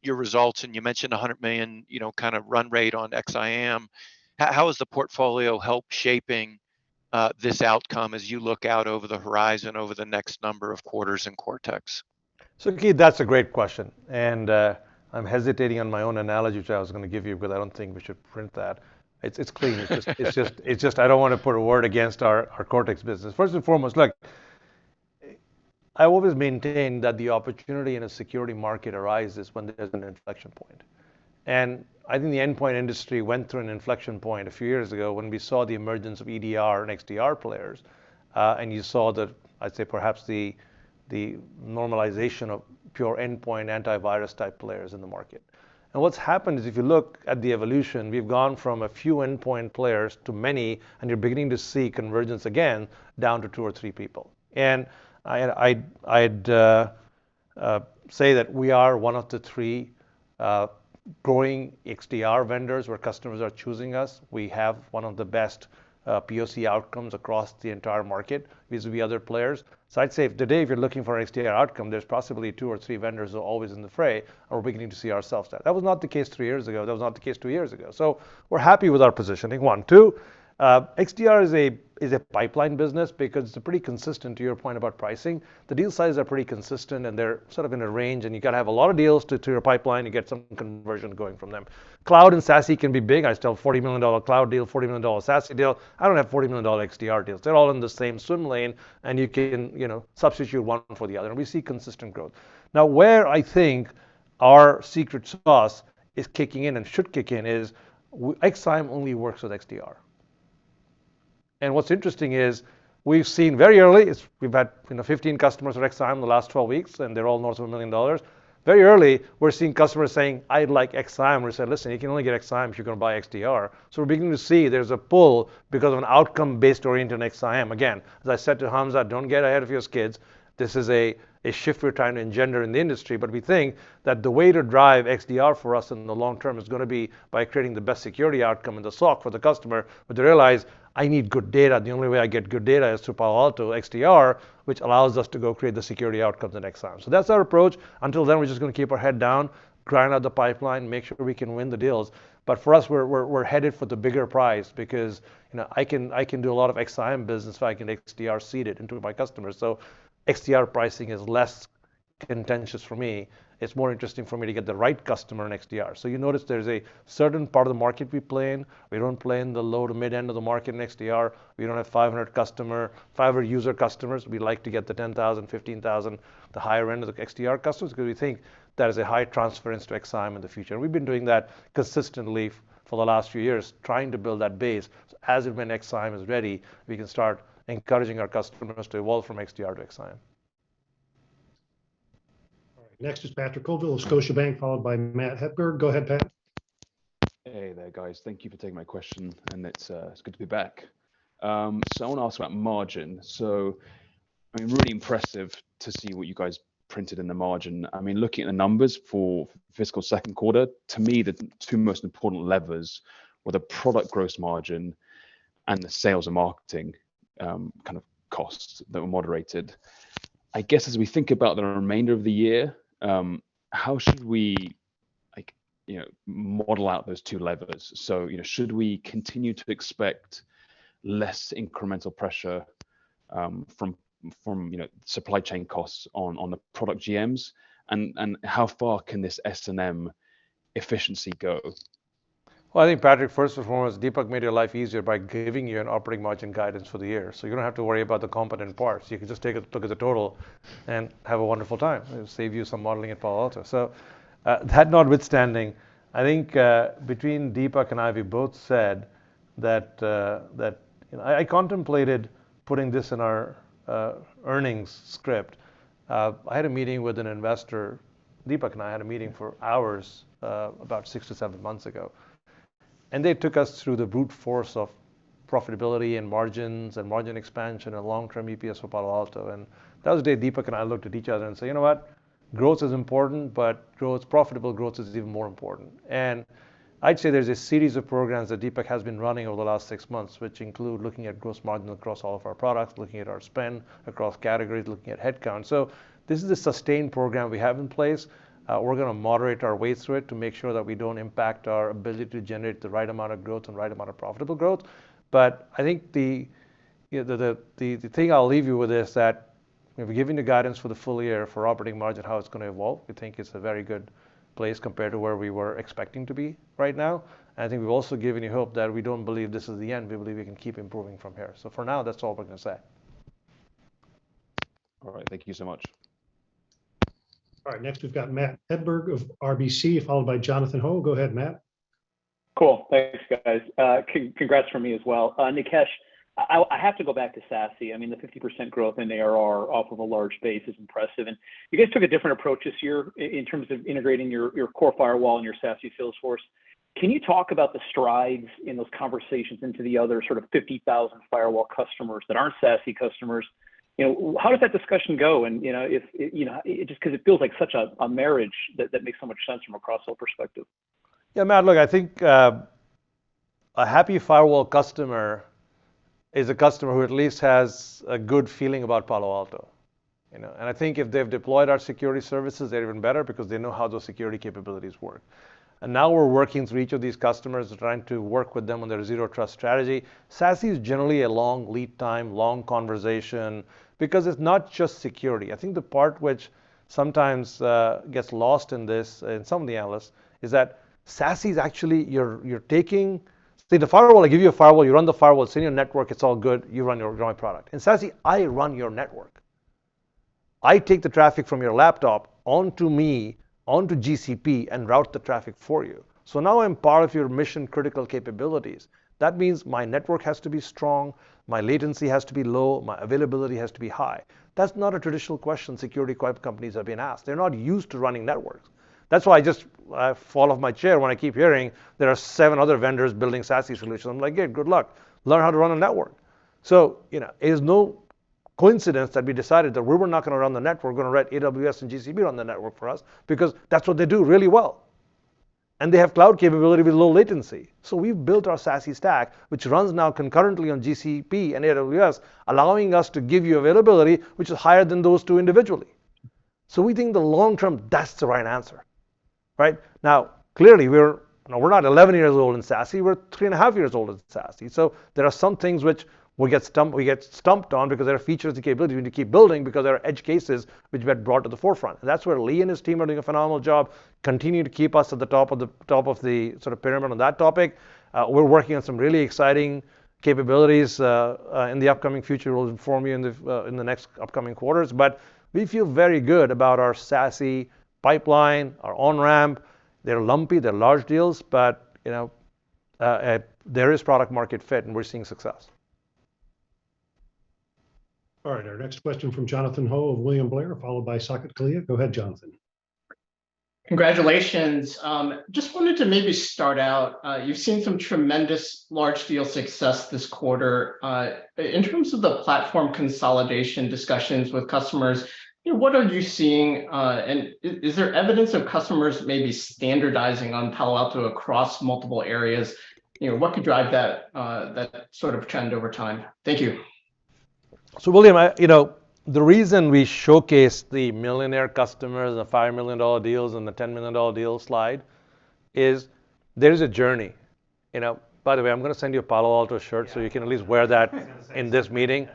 your results, and you mentioned $100 million, you know, kind of run rate on XSIAM. How is the portfolio help shaping this outcome as you look out over the horizon over the next number of quarters in Cortex? Keith, that's a great question. I'm hesitating on my own analogy, which I was gonna give you, but I don't think we should print that. It's clean. It's just I don't wanna put a word against our Cortex business. First and foremost, look, I always maintain that the opportunity in a security market arises when there's an inflection point. I think the endpoint industry went through an inflection point a few years ago when we saw the emergence of EDR and XDR players, and you saw the, I'd say perhaps the normalization of pure endpoint antivirus-type players in the market. What's happened is if you look at the evolution, we've gone from a few endpoint players to many, and you're beginning to see convergence again down to two or three people. I'd say that we are one of the three growing XDR vendors where customers are choosing us. We have one of the best POC outcomes across the entire market vis-a-vis other players. I'd say if today if you're looking for a XDR outcome, there's possibly two or three vendors that are always in the fray, and we're beginning to see ourselves there. That was not the case three years ago, that was not the case two years ago. We're happy with our positioning, one. Two, XDR is a pipeline business because it's pretty consistent to your point about pricing. The deal sizes are pretty consistent, and they're sort of in a range, and you've got to have a lot of deals to your pipeline to get some conversion going from them. Cloud and SASE can be big. I sell $40 million cloud deal, $40 million SASE deal. I don't have $40 million XDR deals. They're all in the same swim lane, and you can, you know, substitute one for the other, and we see consistent growth. Where I think our secret sauce is kicking in and should kick in is XSIAM only works with XDR. What's interesting is we've seen very early, we've had, you know, 15 customers of XSIAM in the last 12 weeks, and they're all north of $1 million. Very early, we're seeing customers saying, "I'd like XSIAM." We said, "Listen, you can only get XSIAM if you're going to buy XDR." We're beginning to see there's a pull because of an outcome-based oriented XSIAM. Again, as I said to Hamza, don't get ahead of your skids. This is a shift we're trying to engender in the industry. We think that the way to drive XDR for us in the long term is going to be by creating the best security outcome in the SOC for the customer, but to realize I need good data. The only way I get good data is through Palo Alto XDR, which allows us to go create the security outcomes in XSIAM. That's our approach. Until then, we're just going to keep our head down, grind out the pipeline, make sure we can win the deals. For us, we're headed for the bigger prize because, you know, I can do a lot of XSIAM business if I can get XDR seated into my customers. XDR pricing is less contentious for me. It's more interesting for me to get the right customer in XDR. You notice there's a certain part of the market we play in. We don't play in the low to mid end of the market in XDR. We don't have 500 customer, 500 user customers. We like to get the 10,000, 15,000, the higher end of the XDR customers because we think there is a high transference to XSIAM in the future. We've been doing that consistently for the last few years, trying to build that base. As and when XSIAM is ready, we can start encouraging our customers to evolve from XDR to XSIAM. All right. Next is Patrick Colville of Scotiabank, followed by Matt Hedberg. Go ahead, Pat. Hey there, guys. Thank you for taking my question, it's good to be back. I want to ask about margin. I mean, really impressive to see what you guys printed in the margin. I mean, looking at the numbers for fiscal second quarter, to me, the two most important levers were the product gross margin and the sales and marketing kind of costs that were moderated. I guess as we think about the remainder of the year, how should we like, you know, model out those two levers? You know, should we continue to expect less incremental pressure from, you know, supply chain costs on the product GMs? How far can this S&M efficiency go? I think Patrick Colville, first and foremost, Dipak made your life easier by giving you an operating margin guidance for the year. You don't have to worry about the competent parts. You can just take it, look at the total and have a wonderful time. It'll save you some modeling at Palo Alto. That notwithstanding, I think, between Dipak and I, we both said. You know, I contemplated putting this in our earnings script. I had a meeting with an investor, Dipak and I had a meeting for hours, about six or seven months ago, and they took us through the brute force of profitability and margins and margin expansion and long-term EPS for Palo Alto. That was the day Dipak and I looked at each other and said, "You know what? Growth is important, but growth, profitable growth is even more important." I'd say there's a series of programs that Dipak Golechha has been running over the last six months, which include looking at gross margin across all of our products, looking at our spend across categories, looking at headcount. This is a sustained program we have in place. We're gonna moderate our way through it to make sure that we don't impact our ability to generate the right amount of growth and right amount of profitable growth. I think the, you know, the, the thing I'll leave you with is that if we're giving the guidance for the full year for operating margin, how it's going to evolve, we think it's a very good place compared to where we were expecting to be right now. I think we've also given you hope that we don't believe this is the end. We believe we can keep improving from here. For now, that's all we're going to say. All right. Thank you so much. All right. Next, we've got Matt Hedberg of RBC, followed by Jonathan Ho. Go ahead, Matt. Cool. Thanks, guys. Congrats from me as well. Nikesh, I have to go back to SASE. I mean, the 50% growth in ARR off of a large base is impressive, and you guys took a different approach this year in terms of integrating your core firewall and your SASE sales force. Can you talk about the strides in those conversations into the other sort of 50,000 firewall customers that aren't SASE customers? You know, how does that discussion go? You know, if, you know, just 'cause it feels like such a marriage that makes so much sense from a cross-sell perspective. Matt, look, I think, a happy firewall customer is a customer who at least has a good feeling about Palo Alto, you know? I think if they've deployed our security services, they're even better because they know how those security capabilities work. Now we're working through each of these customers, trying to work with them on their zero trust strategy. SASE is generally a long lead time, long conversation because it's not just security. I think the part which sometimes, gets lost in this, and some of the analysts, is that SASE is actually you're taking... The firewall, I give you a firewall, you run the firewall, it's in your network, it's all good. You run your own product. In SASE, I run your network. I take the traffic from your laptop onto me, onto GCP and route the traffic for you. Now I'm part of your mission-critical capabilities. That means my network has to be strong, my latency has to be low, my availability has to be high. That's not a traditional question security cloud companies have been asked. They're not used to running networks. That's why I just, I fall off my chair when I keep hearing there are seven other vendors building SASE solutions. I'm like, "Yeah, good luck. Learn how to run a network." You know, it is no coincidence that we decided that we were not going to run the network, we're going to let AWS and GCP run the network for us, because that's what they do really well. They have cloud capability with low latency. We've built our SASE stack, which runs now concurrently on GCP and AWS, allowing us to give you availability which is higher than those two individually. We think the long term, that's the right answer, right? Now, clearly, we're, you know, we're not 11 years old in SASE, we're 3.5 years old in SASE. There are some things which we get stumped on because there are features and capabilities we need to keep building because there are edge cases which we had brought to the forefront. That's where Lee and his team are doing a phenomenal job, continuing to keep us at the top of the sort of pyramid on that topic. We're working on some really exciting capabilities in the upcoming future. We'll inform you in the next upcoming quarters. We feel very good about our SASE pipeline, our on-ramp. They're lumpy, they're large deals, but, you know, there is product market fit and we're seeing success. All right, our next question from Jonathan Ho of William Blair, followed by Saket Kalia. Go ahead, Jonathan. Congratulations. Just wanted to maybe start out, you've seen some tremendous large deal success this quarter. In terms of the platform consolidation discussions with customers, you know, what are you seeing, and is there evidence of customers maybe standardizing on Palo Alto across multiple areas? You know, what could drive that sort of trend over time? Thank you. William, I, you know, the reason we showcase the millionaire customers, the $5 million deals and the $10 million deals slide is there is a journey, you know. By the way, I'm gonna send you a Palo Alto shirt so you can at least wear that in this meeting.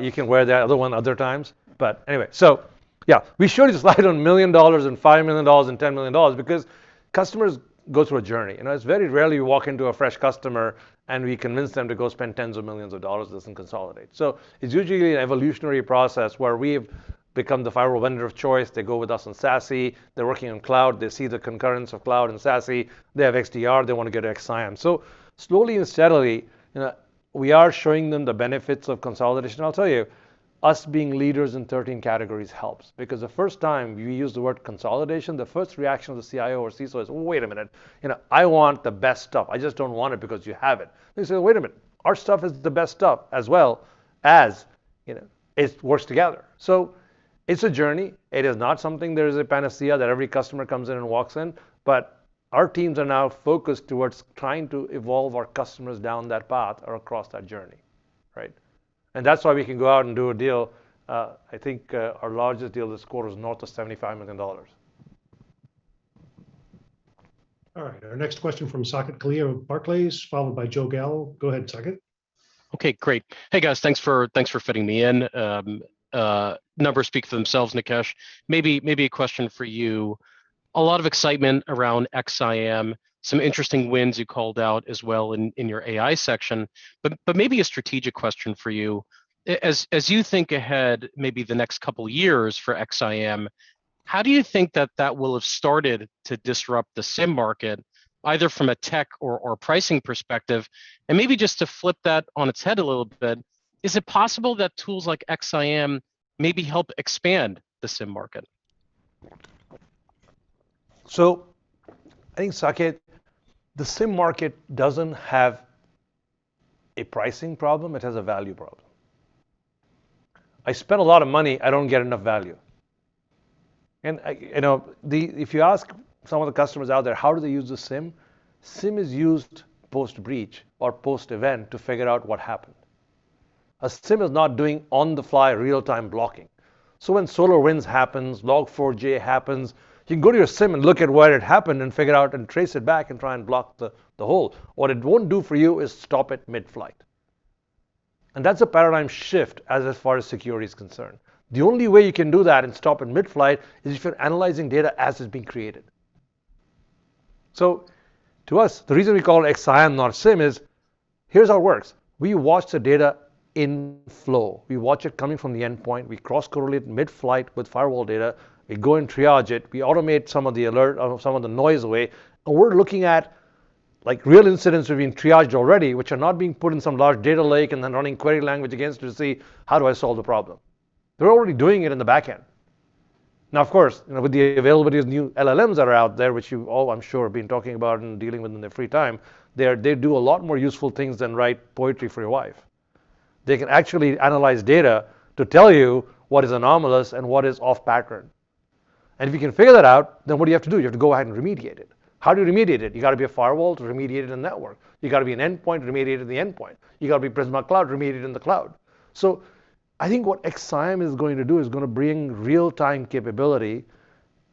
You can wear that other one other times. We showed you the slide on $1 million and $5 million and $10 million because customers go through a journey. You know, it's very rarely you walk into a fresh customer and we convince them to go spend tens of millions of dollars with us and consolidate. It's usually an evolutionary process where we've become the firewall vendor of choice. They go with us on SASE, they're working on cloud, they see the concurrence of cloud and SASE. They have XDR, they want to get XSIAM. Slowly and steadily, you know, we are showing them the benefits of consolidation. I'll tell you, us being leaders in 13 categories helps because the first time you use the word consolidation, the first reaction of the CIO or CISO is, "Wait a minute, you know, I want the best stuff. I just don't want it because you have it." They say, "Wait a minute, our stuff is the best stuff as well. As, you know, it works together." It's a journey. It is not something there is a panacea that every customer comes in and walks in. Our teams are now focused towards trying to evolve our customers down that path or across that journey, right? That's why we can go out and do a deal. I think, our largest deal this quarter is north of $75 million. All right, our next question from Saket Kalia of Barclays, followed by Joe Gallo. Go ahead, Saket. Okay, great. Hey, guys, thanks for fitting me in. Numbers speak for themselves, Nikesh. Maybe a question for you. A lot of excitement around XSIAM, some interesting wins you called out as well in your AI section. Maybe a strategic question for you. As you think ahead maybe the next couple years for XSIAM, how do you think that will have started to disrupt the SIEM market, either from a tech or pricing perspective? Maybe just to flip that on its head a little bit, is it possible that tools like XSIAM help expand the SIEM market? I think, Saket, the SIEM market doesn't have a pricing problem, it has a value problem. I spent a lot of money, I don't get enough value. You know, if you ask some of the customers out there, how do they use the SIEM is used post-breach or post-event to figure out what happened. A SIEM is not doing on-the-fly real-time blocking. When SolarWinds happens, Log4j happens, you can go to your SIEM and look at where it happened and figure out and trace it back and try and block the hole. What it won't do for you is stop it mid-flight. That's a paradigm shift as far as security is concerned. The only way you can do that and stop it mid-flight is if you're analyzing data as it's being created. To us, the reason we call it XSIAM not SIEM is, here's how it works. We watch the data in flow. We watch it coming from the endpoint. We cross-correlate mid-flight with firewall data. We go and triage it. We automate some of the alert, some of the noise away. We're looking at, like, real incidents which have been triaged already, which are not being put in some large data lake and then running query language against to see, how do I solve the problem? They're already doing it in the back end. Of course, you know, with the availability of new LLMs that are out there, which you all I'm sure have been talking about and dealing with in their free time, they do a lot more useful things than write poetry for your wife. They can actually analyze data to tell you what is anomalous and what is off pattern. If you can figure that out, then what do you have to do? You have to go ahead and remediate it. How do you remediate it? You got to be a firewall to remediate it in network. You got to be an endpoint to remediate it in the endpoint. You got to be Prisma Cloud to remediate it in the cloud. I think what XSIAM is going to do is going to bring real-time capability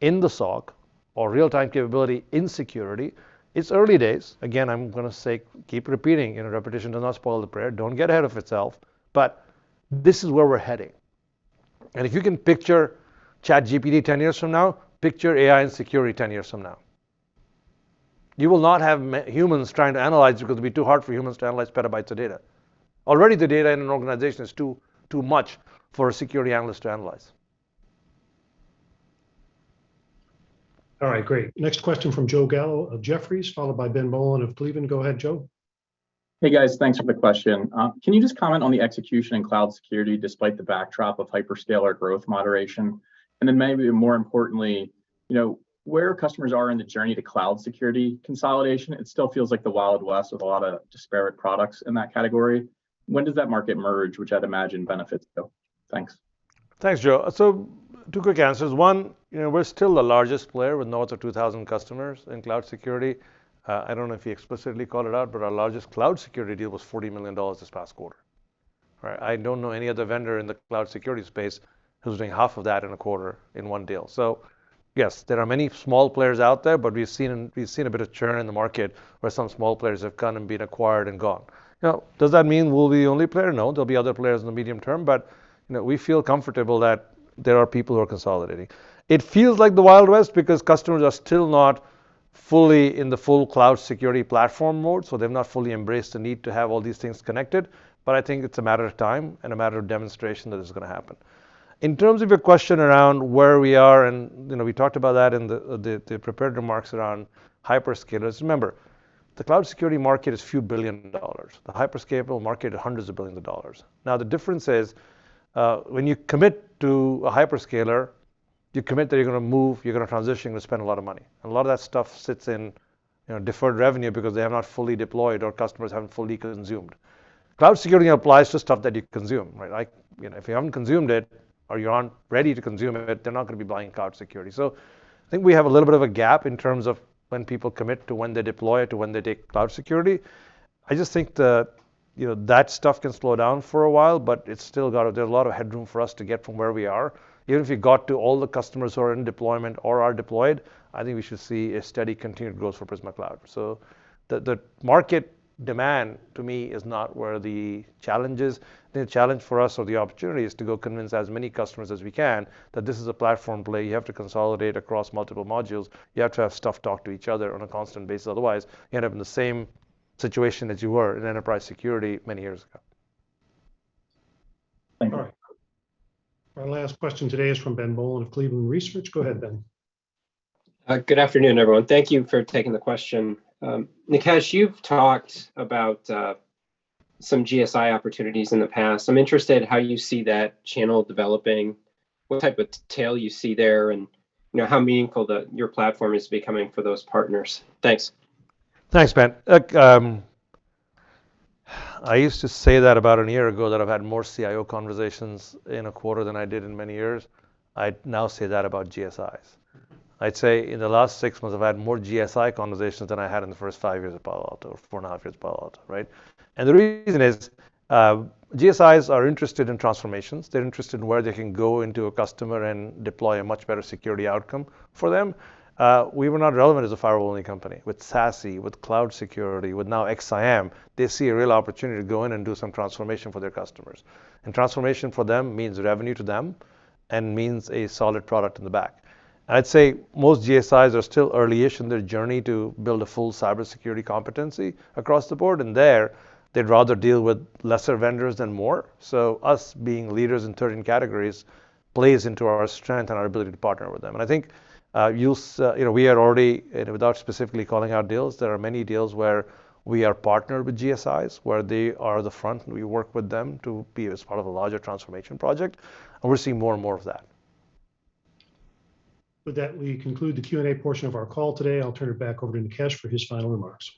in the SOC or real-time capability in security. It's early days. Again, I'm going to say, keep repeating, you know, repetition does not spoil the prayer. Don't get ahead of itself. This is where we're heading. If you can picture ChatGPT 10 years from now, picture AI and security 10 years from now. You will not have humans trying to analyze because it'll be too hard for humans to analyze petabytes of data. Already the data in an organization is too much for a security analyst to analyze. All right, great. Next question from Joe Gallo of Jefferies, followed by Ben Bollin of Cleveland. Go ahead, Joe. Hey guys, thanks for the question. Can you just comment on the execution in cloud security despite the backdrop of hyperscaler growth moderation? Maybe more importantly, you know, where customers are in the journey to cloud security consolidation. It still feels like the Wild West with a lot of disparate products in that category. When does that market merge, which I'd imagine benefits you. Thanks. Thanks, Joe. Two quick answers. One, you know, we're still the largest player with north of 2,000 customers in cloud security. I don't know if you explicitly called it out, but our largest cloud security deal was $40 million this past quarter. Right? I don't know any other vendor in the cloud security space who's doing half of that in a quarter in one deal. Yes, there are many small players out there, but we've seen a bit of churn in the market where some small players have come and been acquired and gone. Does that mean we'll be the only player? There'll be other players in the medium term, but, you know, we feel comfortable that there are people who are consolidating. It feels like the Wild West because customers are still not fully in the full cloud security platform mode, so they've not fully embraced the need to have all these things connected. I think it's a matter of time and a matter of demonstration that it's gonna happen. In terms of your question around where we are, and you know, we talked about that in the prepared remarks around hyperscalers. Remember, the cloud security market is a few billion dollars. The hyperscaler market is hundreds of billions of dollars. The difference is, when you commit to a hyperscaler, you commit that you're gonna move, you're gonna transition, you're gonna spend a lot of money. A lot of that stuff sits in, you know, deferred revenue because they have not fully deployed or customers haven't fully consumed. Cloud security applies to stuff that you consume, right? Like, you know, if you haven't consumed it or you aren't ready to consume it, they're not gonna be buying cloud security. I think we have a little bit of a gap in terms of when people commit to when they deploy it to when they take cloud security. I just think that, you know, that stuff can slow down for a while, but it's still got a lot of headroom for us to get from where we are. Even if you got to all the customers who are in deployment or are deployed, I think we should see a steady continued growth for Prisma Cloud. The market demand to me is not where the challenge is. The challenge for us or the opportunity is to go convince as many customers as we can that this is a platform play. You have to consolidate across multiple modules. You have to have stuff talk to each other on a constant basis, otherwise you end up in the same situation as you were in enterprise security many years ago. Thank you. All right. Our last question today is from Ben Bollin of Cleveland Research. Go ahead, Ben. Good afternoon, everyone. Thank you for taking the question. Nikesh, you've talked about some GSI opportunities in the past. I'm interested how you see that channel developing, what type of tail you see there, and, you know, how meaningful the, your platform is becoming for those partners. Thanks. Thanks, Ben. Look, I used to say that about a year ago that I've had more CIO conversations in a quarter than I did in many years. I now say that about GSIs. I'd say in the last six months, I've had more GSI conversations than I had in the first five years of Palo Alto, or four and a half years of Palo Alto, right? The reason is, GSIs are interested in transformations. They're interested in where they can go into a customer and deploy a much better security outcome for them. We were not relevant as a firewall-only company. With SASE, with cloud security, with now XSIAM, they see a real opportunity to go in and do some transformation for their customers. Transformation for them means revenue to them and means a solid product in the back. I'd say most GSIs are still early-ish in their journey to build a full cybersecurity competency across the board, and there they'd rather deal with lesser vendors than more. Us being leaders in certain categories plays into our strength and our ability to partner with them, I think, you know, we are already, and without specifically calling out deals, there are many deals where we are partnered with GSIs, where they are the front and we work with them to be as part of a larger transformation project, and we're seeing more and more of that. With that, we conclude the Q&A portion of our call today. I'll turn it back over to Nikesh for his final remarks.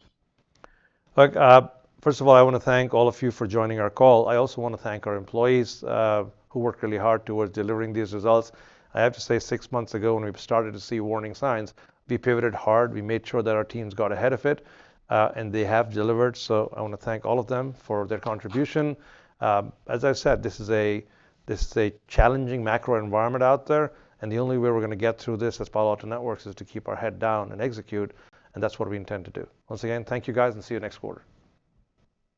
First of all, I want to thank all of you for joining our call. I also want to thank our employees, who worked really hard towards delivering these results. I have to say, six months ago when we started to see warning signs, we pivoted hard. We made sure that our teams got ahead of it, and they have delivered, so I want to thank all of them for their contribution. As I said, this is a challenging macro environment out there, and the only way we're going to get through this as Palo Alto Networks is to keep our head down and execute, and that's what we intend to do. Once again, thank you guys and see you next quarter.